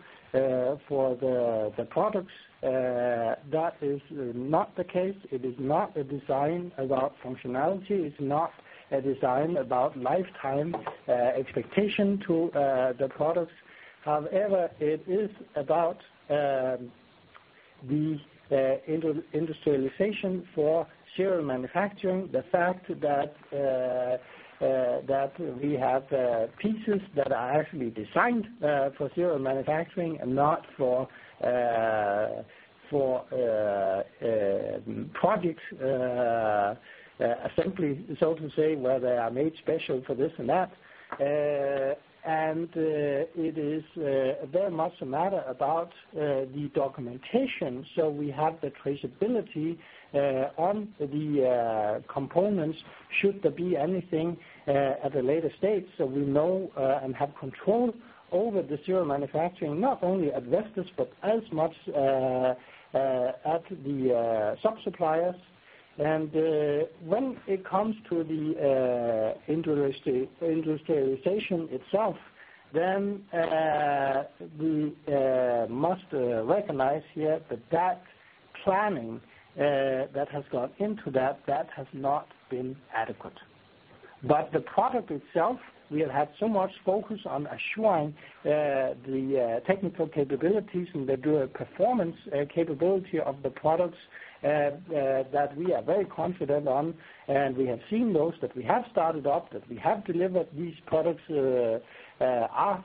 for the products, that is not the case. It is not a design about functionality. It's not a design about lifetime expectation to the products. However, it is about the industrialization for serial manufacturing, the fact that we have pieces that are actually designed for serial manufacturing and not for project assembly, so to say, where they are made special for this and that. It is very much a matter about the documentation. So we have the traceability on the components, should there be anything at a later stage so we know and have control over the serial manufacturing, not only at Vestas but as much at the sub-suppliers. When it comes to the industrialization itself, then we must recognize here that that planning that has gone into that, that has not been adequate. But the product itself, we have had so much focus on assuring the technical capabilities and the performance capability of the products that we are very confident on. And we have seen those that we have started up, that we have delivered; these products are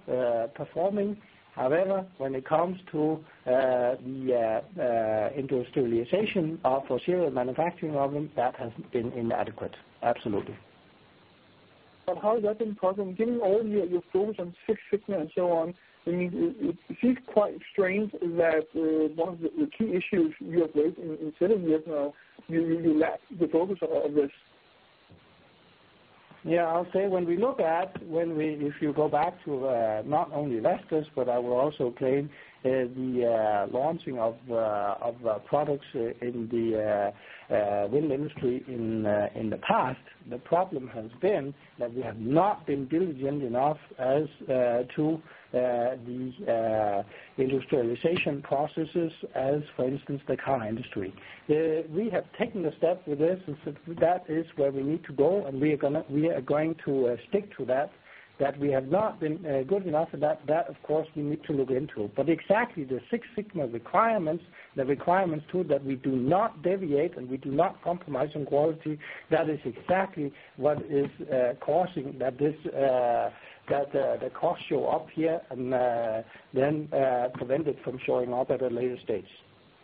performing. However, when it comes to the industrialization for serial manufacturing of them, that has been inadequate, absolutely. But how has that been possible? Given all your focus on Six Sigma and so on, I mean, it seems quite strange that one of the key issues you have raised in seven years now, you lack the focus on this. Yeah. I'll say when we look at if you go back to not only Vestas, but I will also claim the launching of products in the wind industry in the past, the problem has been that we have not been diligent enough as to the industrialization processes as, for instance, the car industry. We have taken a step with this, and that is where we need to go. And we are going to stick to that, that we have not been good enough. And that, of course, we need to look into. But exactly the Six Sigma requirements, the requirements too that we do not deviate and we do not compromise on quality, that is exactly what is causing that the costs show up here and then prevent it from showing up at a later stage.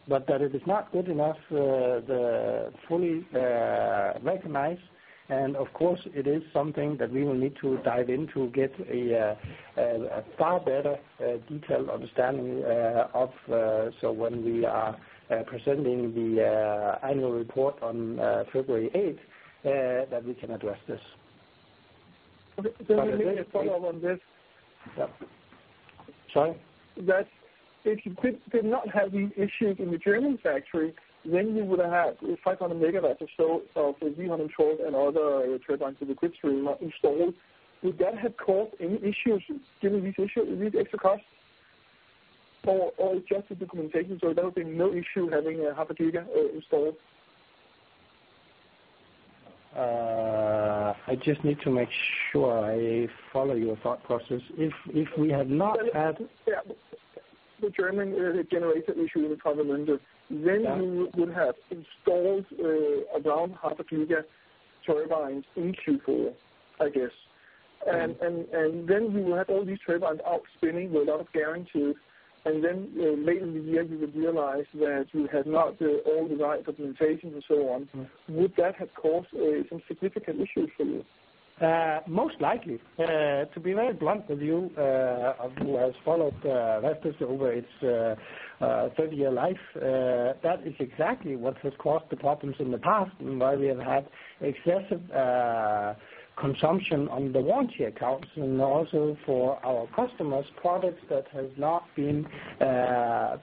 But that it is not good enough to fully recognize. Of course, it is something that we will need to dive into to get a far better detailed understanding of, so when we are presenting the annual report on February 8th, that we can address this. Okay. Then maybe a follow-up on this. Yep. Sorry? That if you did not have these issues in the German factory, then you would have had 500 MW or so of the V112 and other turbines of the GridStreamer installed. Would that have caused any issues given these extra costs? Or is it just the documentation? So there would be no issue having 0.5 GW installed? I just need to make sure I follow your thought process. If we had not had. Yeah. The German generator issue in Travemünde, then you would have installed around 0.5 GW turbines in Q4, I guess. And then you will have all these turbines out spinning with a lot of guarantees. And then late in the year, you would realize that you have not all the right documentation and so on. Would that have caused some significant issues for you? Most likely. To be very blunt with you, who has followed Vestas over its 30-year life, that is exactly what has caused the problems in the past and why we have had excessive consumption on the warranty accounts. And also for our customers, products that have not been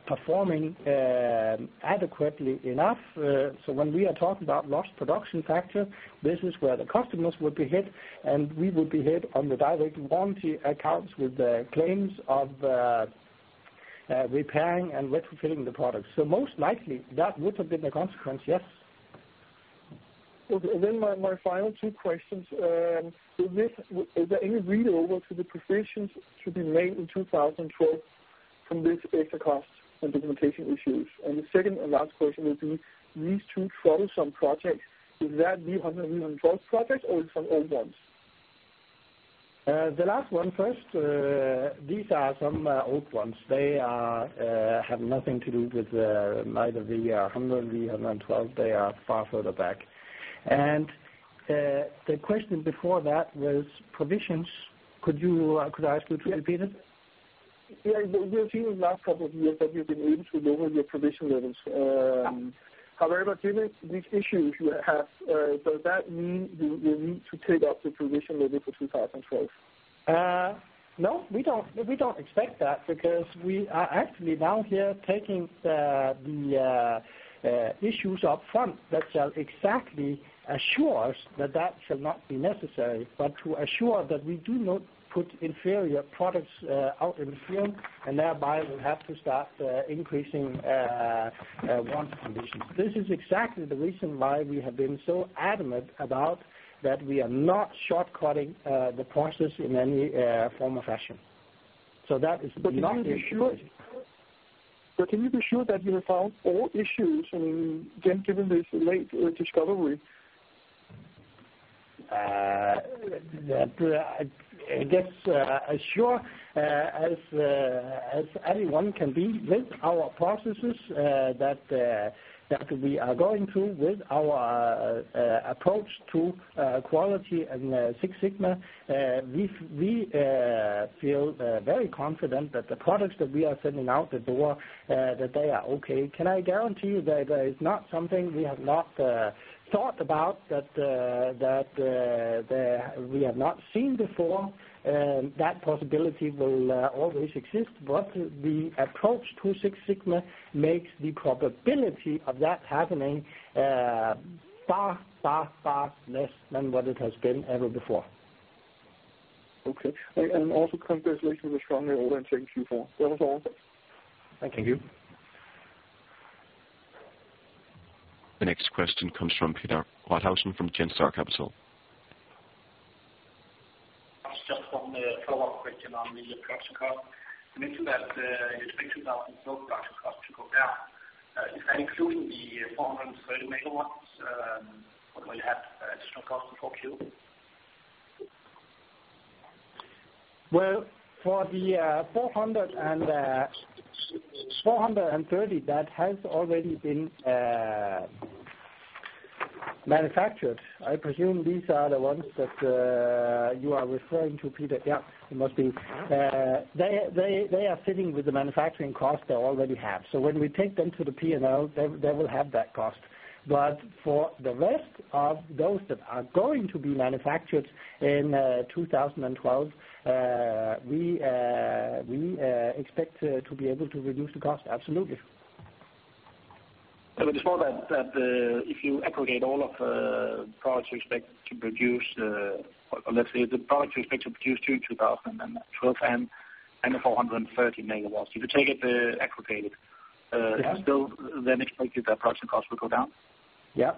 performing adequately enough. So when we are talking about lost production factor, this is where the customers would be hit. And we would be hit on the direct warranty accounts with the claims of repairing and retrofitting the products. So most likely, that would have been the consequence, yes. Okay. And then my final two questions. Is there any read-over to the provisions to be made in 2012 from these extra costs and documentation issues? And the second and last question will be, these two troublesome projects, is that V112 projects or some old ones? The last one first. These are some old ones. They have nothing to do with neither V100 and V112. They are far further back. And the question before that was provisions. Could I ask you to repeat it? Yeah. We have seen in the last couple of years that you've been able to lower your provision levels. However, given these issues you have, does that mean you will need to take up the provision level for 2012? No. We don't expect that because we are actually now here taking the issues up front that shall exactly assure us that that shall not be necessary but to assure that we do not put inferior products out in the field and thereby will have to start increasing warranty conditions. This is exactly the reason why we have been so adamant about that we are not shortcutting the process in any form or fashion. So that is not the issue. But can you be sure? But can you be sure that you have found all issues? I mean, given this late discovery. I guess as sure as anyone can be with our processes that we are going through with our approach to quality and Six Sigma, we feel very confident that the products that we are sending out the door, that they are okay. Can I guarantee you that there is not something we have not thought about that we have not seen before? That possibility will always exist. But the approach to Six Sigma makes the probability of that happening far, far, far less than what it has been ever before. Okay. Also congratulations with the stronger order intake in Q4. That was all. Thank you. Thank you. The next question comes from Peter Rothausen from Danske Capital. Just one follow-up question on the production cost. The mention that you expect 2012 production cost to go down. Is that including the 430 MW where you have additional costs 4Q? Well, for the 430 that has already been manufactured, I presume these are the ones that you are referring to, Peter. Yeah. It must be. They are sitting with the manufacturing cost they already have. So when we take them to the P&L, they will have that cost. But for the rest of those that are going to be manufactured in 2012, we expect to be able to reduce the cost, absolutely. It's more that if you aggregate all of the products you expect to produce or let's say the products you expect to produce during 2012 and the 430 MW, if you take it aggregated, still then expect that production cost will go down? Yeah.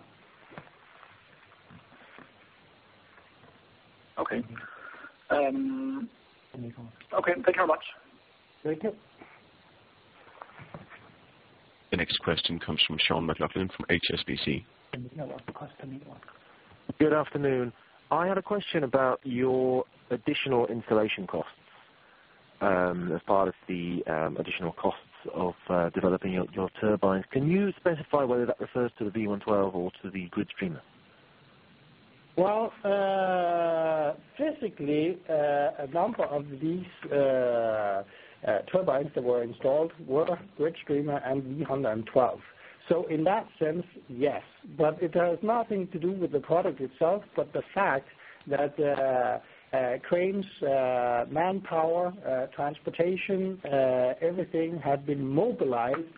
Okay. Okay. Thank you very much. Thank you. The next question comes from Sean McLoughlin from HSBC. The other one's the cost per megawatt. Good afternoon. I had a question about your additional installation costs as part of the additional costs of developing your turbines. Can you specify whether that refers to the V112 or to the GridStreamer? Well, physically, a number of these turbines that were installed were GridStreamer and V112. So in that sense, yes. But it has nothing to do with the product itself but the fact that cranes, manpower, transportation, everything had been mobilized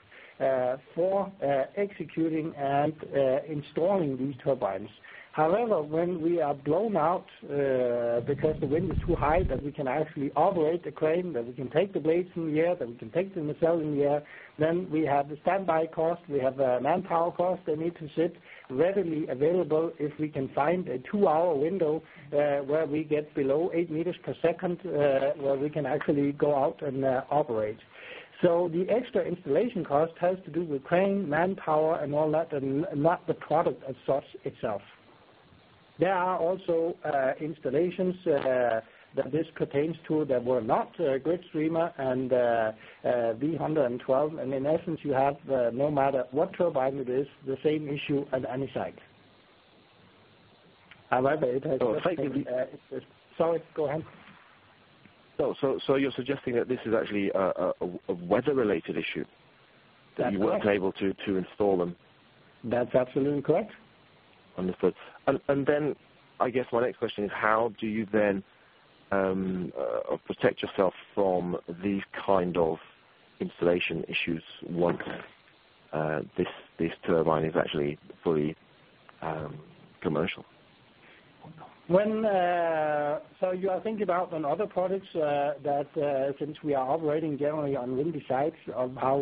for executing and installing these turbines. However, when we are blown out because the wind is too high that we can actually operate the crane, that we can take the blades in the air, that we can take the nacelle in the air, then we have the standby cost. We have a manpower cost. They need to sit readily available if we can find a two-hour window where we get below eight meters per second where we can actually go out and operate. So the extra installation cost has to do with crane, manpower, and all that and not the product as such itself. There are also installations that this pertains to that were not GridStreamer and V112. In essence, you have no matter what turbine it is, the same issue at any site. However, it has actually. Oh, excuse me. Sorry. Go ahead. You're suggesting that this is actually a weather-related issue that you weren't able to install them? That's absolutely correct. Understood. And then I guess my next question is, how do you then protect yourself from these kind of installation issues once this turbine is actually fully commercial? So you are thinking about on other products that since we are operating generally on windy sites of how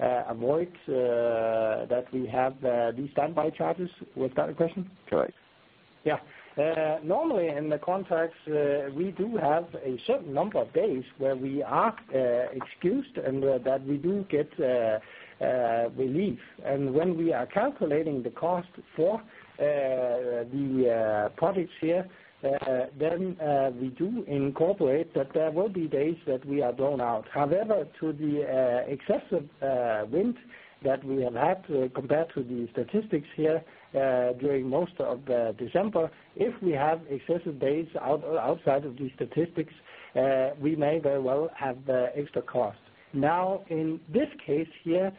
we avoid that we have these standby charges? Was that the question? Correct. Yeah. Normally, in the contracts, we do have a certain number of days where we are excused and that we do get relief. And when we are calculating the cost for the products here, then we do incorporate that there will be days that we are blown out. However, to the excessive wind that we have had compared to the statistics here during most of December, if we have excessive days outside of these statistics, we may very well have the extra cost. Now, in this case here,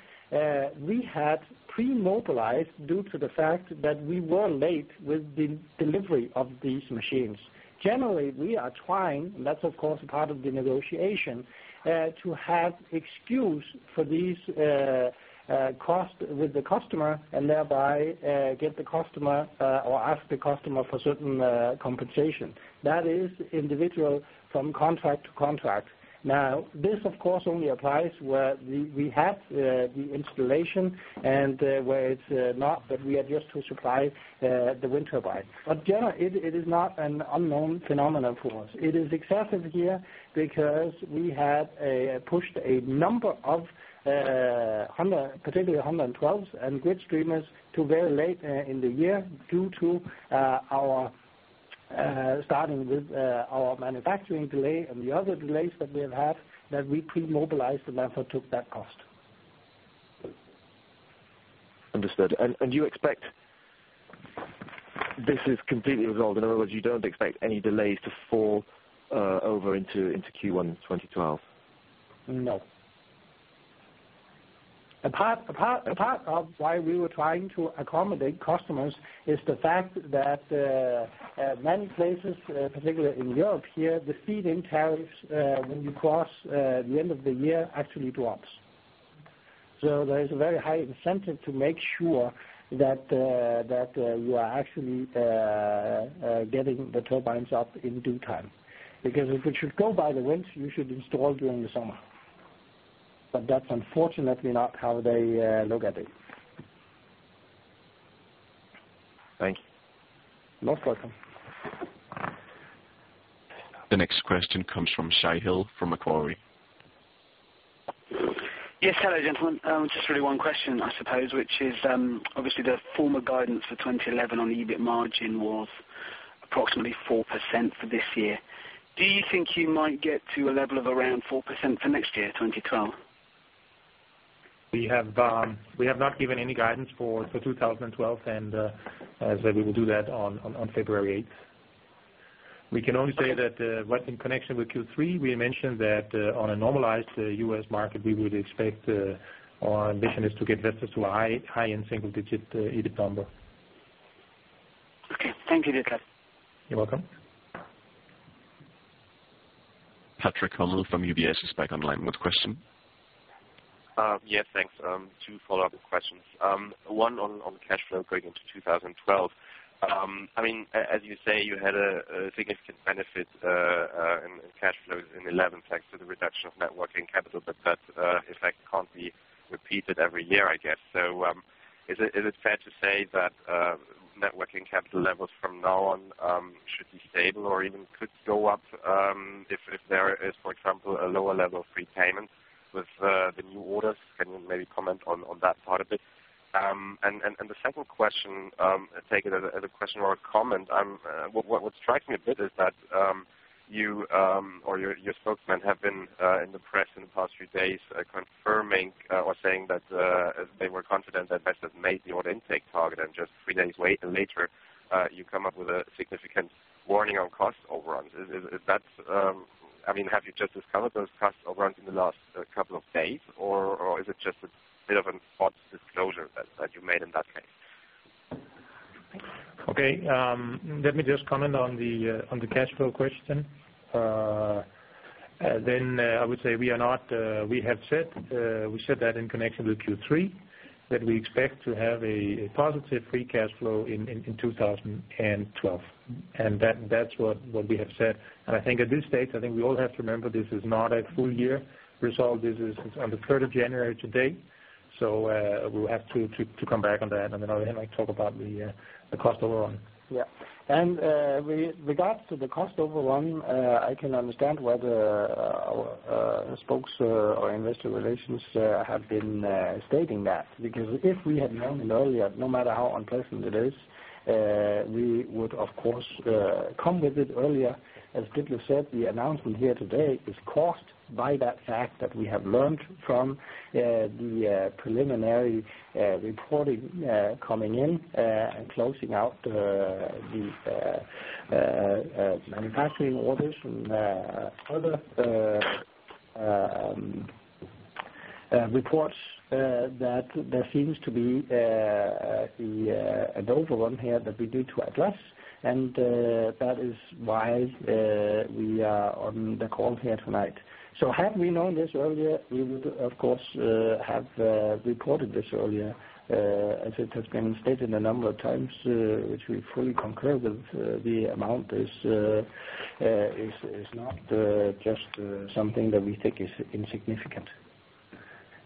we had premobilized due to the fact that we were late with the delivery of these machines. Generally, we are trying and that's, of course, part of the negotiation to have excuse for these costs with the customer and thereby get the customer or ask the customer for certain compensation. That is individual from contract to contract. Now, this, of course, only applies where we have the installation and where it's not that we are just to supply the wind turbine. But generally, it is not an unknown phenomenon for us. It is excessive here because we had pushed a number of particularly 112s and GridStreamers to very late in the year due to starting with our manufacturing delay and the other delays that we have had that we premobilized and therefore took that cost. Understood. You expect this is completely resolved? In other words, you don't expect any delays to fall over into Q1 2012? No. A part of why we were trying to accommodate customers is the fact that many places, particularly in Europe here, the feed-in tariffs when you cross the end of the year actually drops. So there is a very high incentive to make sure that you are actually getting the turbines up in due time because if it should go by the winds, you should install during the summer. But that's unfortunately not how they look at it. Thank you. Most welcome. The next question comes from Shai Hill from Macquarie. Yes, hello, gentlemen. Just really one question, I suppose, which is obviously, the former guidance for 2011 on EBIT margin was approximately 4% for this year. Do you think you might get to a level of around 4% for next year, 2012? We have not given any guidance for 2012 and we will do that on February 8th. We can only say that in connection with Q3, we mentioned that on a normalized U.S. market, we would expect our ambition is to get Vestas to a high-end single-digit EBIT number. Okay. Thank you, Ditlev. You're welcome. Patrick Hummel from UBS is back online. What question? Yes. Thanks. Two follow-up questions. One on cash flow going into 2012. I mean, as you say, you had a significant benefit in cash flows in 2011 thanks to the reduction of net working capital, but that effect can't be repeated every year, I guess. So is it fair to say that net working capital levels from now on should be stable or even could go up if there is, for example, a lower level of prepayment with the new orders? Can you maybe comment on that part a bit? And the second question, take it as a question or a comment, what strikes me a bit is that you or your spokesman have been in the press in the past few days confirming or saying that they were confident that Vestas made the order intake target and just three days later you come up with a significant warning on cost overruns. I mean, have you just discovered those cost overruns in the last couple of days or is it just a bit of an odd disclosure that you made in that case? Okay. Let me just comment on the cash flow question. Then I would say we have said that in connection with Q3 that we expect to have a positive free cash flow in 2012. And that's what we have said. And I think at this stage, I think we all have to remember this is not a full-year result. This is on the 3rd of January today. So we'll have to come back on that. And then on the other hand, I talk about the cost overrun. Yeah. And with regards to the cost overrun, I can understand why the spokesperson or investor relations have been stating that because if we had known it earlier, no matter how unpleasant it is, we would, of course, come with it earlier. As Ditlev just said, the announcement here today is caused by the fact that we have learned from the preliminary reporting coming in and closing out the manufacturing orders and other reports that there seems to be an overrun here that we need to address. And that is why we are on the call here tonight. So had we known this earlier, we would, of course, have reported this earlier as it has been stated a number of times, which we fully concur with. The amount is not just something that we think is insignificant.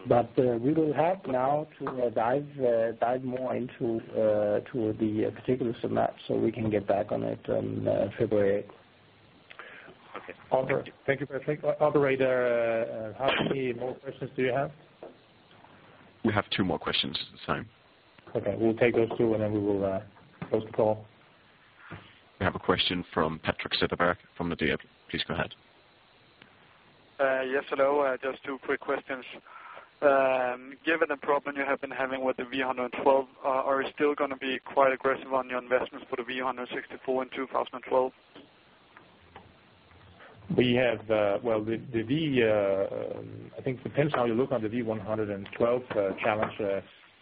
But we will have now to dive more into the particulars of that so we can get back on it on February 8th. Okay. Thank you, Patrick. Operator, how many more questions do you have? We have two more questions at the time. Okay. We'll take those two and then we will close the call. We have a question from Patrik Setterberg from Nordea. Please go ahead. Yes. Hello. Just two quick questions. Given the problem you have been having with the V112, are you still going to be quite aggressive on your investments for the V164 in 2012? Well, I think it depends how you look on the V112 challenge.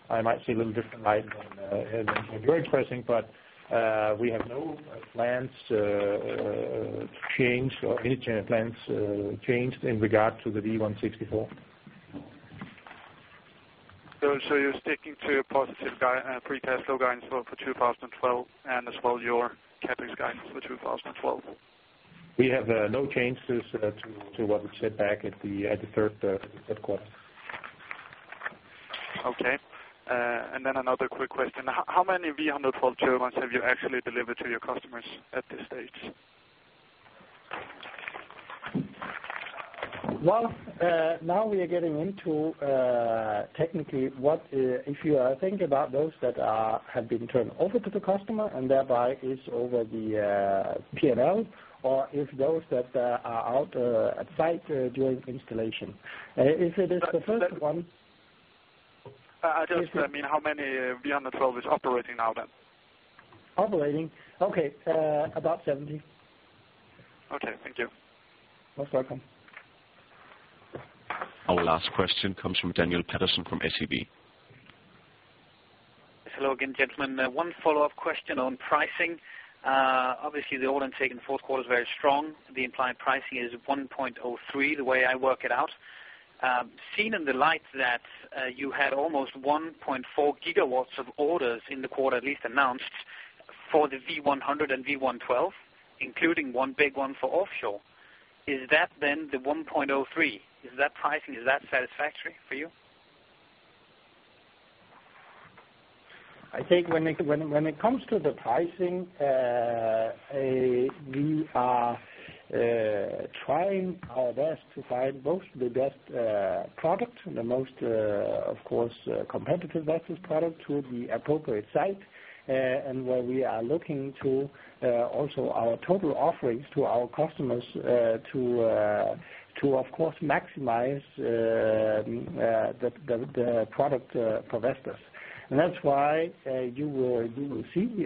I might see a little different light than you're expressing. But we have no plans to change or any change plans changed in regard to the V164. You're sticking to your positive free cash flow guidance for 2012 and as well your CapEx guidance for 2012? We have no changes to what we said back at the third quarter. Okay. And then another quick question. How many V112 turbines have you actually delivered to your customers at this stage? Well, now we are getting into technically if you are thinking about those that have been turned over to the customer and thereby is over the P&L or if those that are out at site during installation. If it is the first one. Just, I mean, how many V112 is operating now then? Operating? Okay. About 70. Okay. Thank you. Most welcome. Our last question comes from Daniel Patterson from SEB. Hello again, gentlemen. One follow-up question on pricing. Obviously, the order intake in the fourth quarter is very strong. The implied pricing is 1.03 the way I work it out. Seen in the light that you had almost 1.4 GW of orders in the quarter, at least announced, for the V100 and V112, including one big one for offshore, is that then the 1.03? Is that pricing? Is that satisfactory for you? I think when it comes to the pricing, we are trying our best to find both the best product and the most, of course, competitive Vestas product to the appropriate site and where we are looking to also our total offerings to our customers to, of course, maximize the product for Vestas. And that's why you will see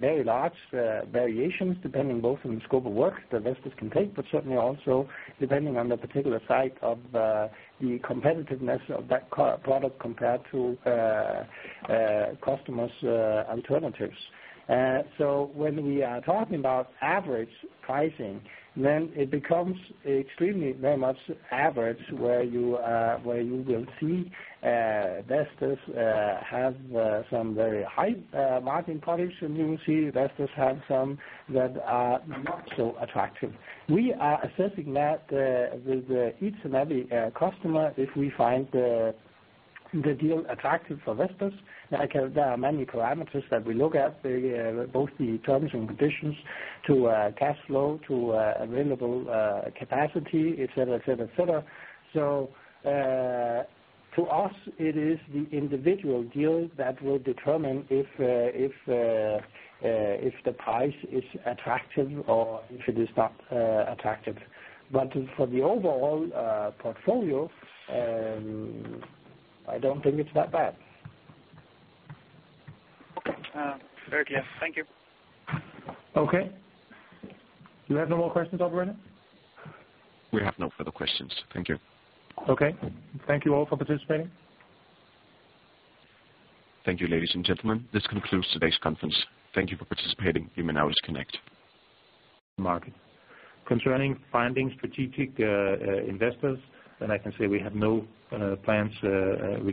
very large variations depending both on the scope of work that Vestas can take but certainly also depending on the particular site of the competitiveness of that product compared to customers' alternatives. So when we are talking about average pricing, then it becomes extremely very much average where you will see Vestas have some very high-margin products and you will see Vestas have some that are not so attractive. We are assessing that with each and every customer if we find the deal attractive for Vestas. There are many parameters that we look at, both the terms and conditions to cash flow, to available capacity, etc., etc., etc. So to us, it is the individual deal that will determine if the price is attractive or if it is not attractive. But for the overall portfolio, I don't think it's that bad. Okay. Very clear. Thank you. Okay. Do you have no more questions, Operator? We have no further questions. Thank you. Okay. Thank you all for participating. Thank you, ladies and gentlemen. This concludes today's conference. Thank you for participating. You may now disconnect. Market. Concerning finding strategic investors, then I can say we have no plans we.